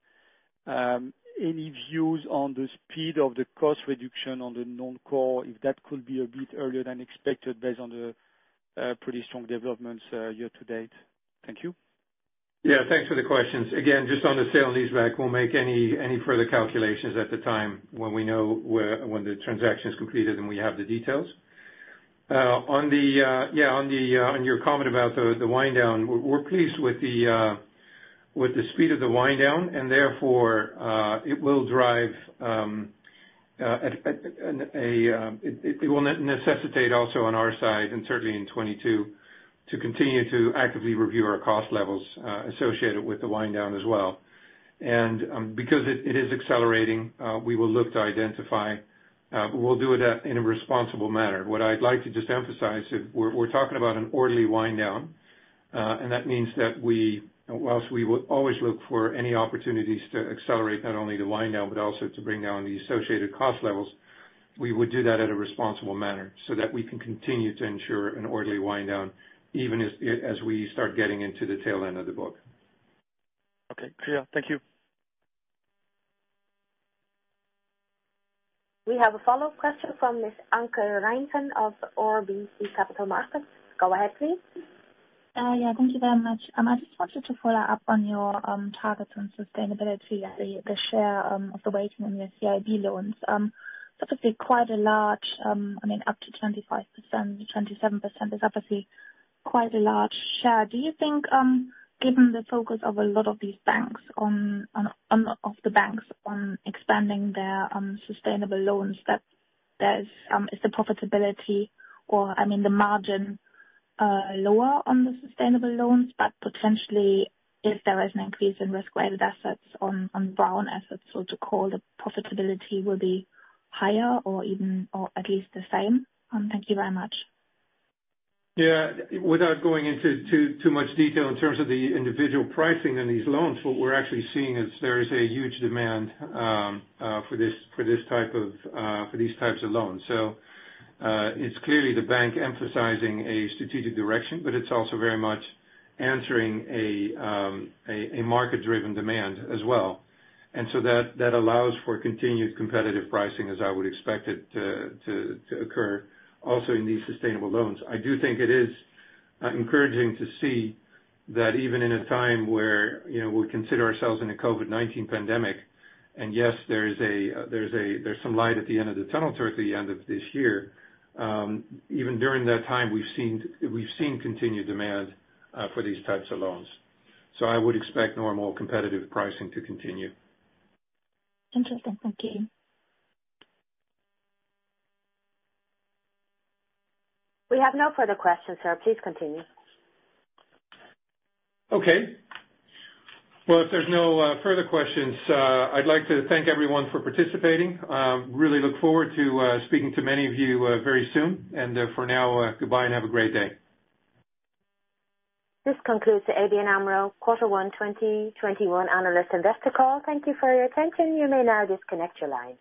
Any views on the speed of the cost reduction on the Non-Core, if that could be a bit earlier than expected based on the pretty strong developments year to date. Thank you. Yeah. Thanks for the questions. Again, just on the sale and leaseback, we'll make any further calculations at the time when we know when the transaction is completed, and we have the details. On your comment about the wind down, we're pleased with the speed of the wind down, and therefore, it will necessitate also on our side, and certainly in 2022, to continue to actively review our cost levels associated with the wind down as well. Because it is accelerating, we will look to identify, but we'll do that in a responsible manner. What I'd like to just emphasize, we're talking about an orderly wind down. That means that whilst we would always look for any opportunities to accelerate not only the wind down but also to bring down the associated cost levels, we would do that at a responsible manner so that we can continue to ensure an orderly wind down, even as we start getting into the tail end of the book. Okay. Clear. Thank you. We have a follow-up question from Miss Anke Reingen of RBC Capital Markets. Go ahead, please. Yeah. Thank you very much. I just wanted to follow up on your target on sustainability, the share of the weighting on your CIB loans. Obviously, up to 25%, 27% is obviously quite a large share. Do you think, given the focus of a lot of the banks on expanding their sustainable loans, is the profitability or the margin lower on the sustainable loans? Potentially, if there is an increase in risk-weighted assets on brown assets, so to call, the profitability will be higher or at least the same. Thank you very much. Yeah. Without going into too much detail in terms of the individual pricing on these loans, what we're actually seeing is there is a huge demand for these types of loans. It's clearly the bank emphasizing a strategic direction, but it's also very much answering a market-driven demand as well. That allows for continued competitive pricing as I would expect it to occur also in these sustainable loans. I do think it is encouraging to see that even in a time where we consider ourselves in a COVID-19 pandemic, and yes, there's some light at the end of the tunnel towards the end of this year. Even during that time, we've seen continued demand for these types of loans. I would expect normal competitive pricing to continue. Interesting. Thank you. We have no further questions, sir. Please continue. Okay. Well, if there's no further questions, I'd like to thank everyone for participating. Really look forward to speaking to many of you very soon. For now, goodbye and have a great day. This concludes the ABN AMRO Q1 2021 analyst investor call. Thank you for your attention. You may now disconnect your line.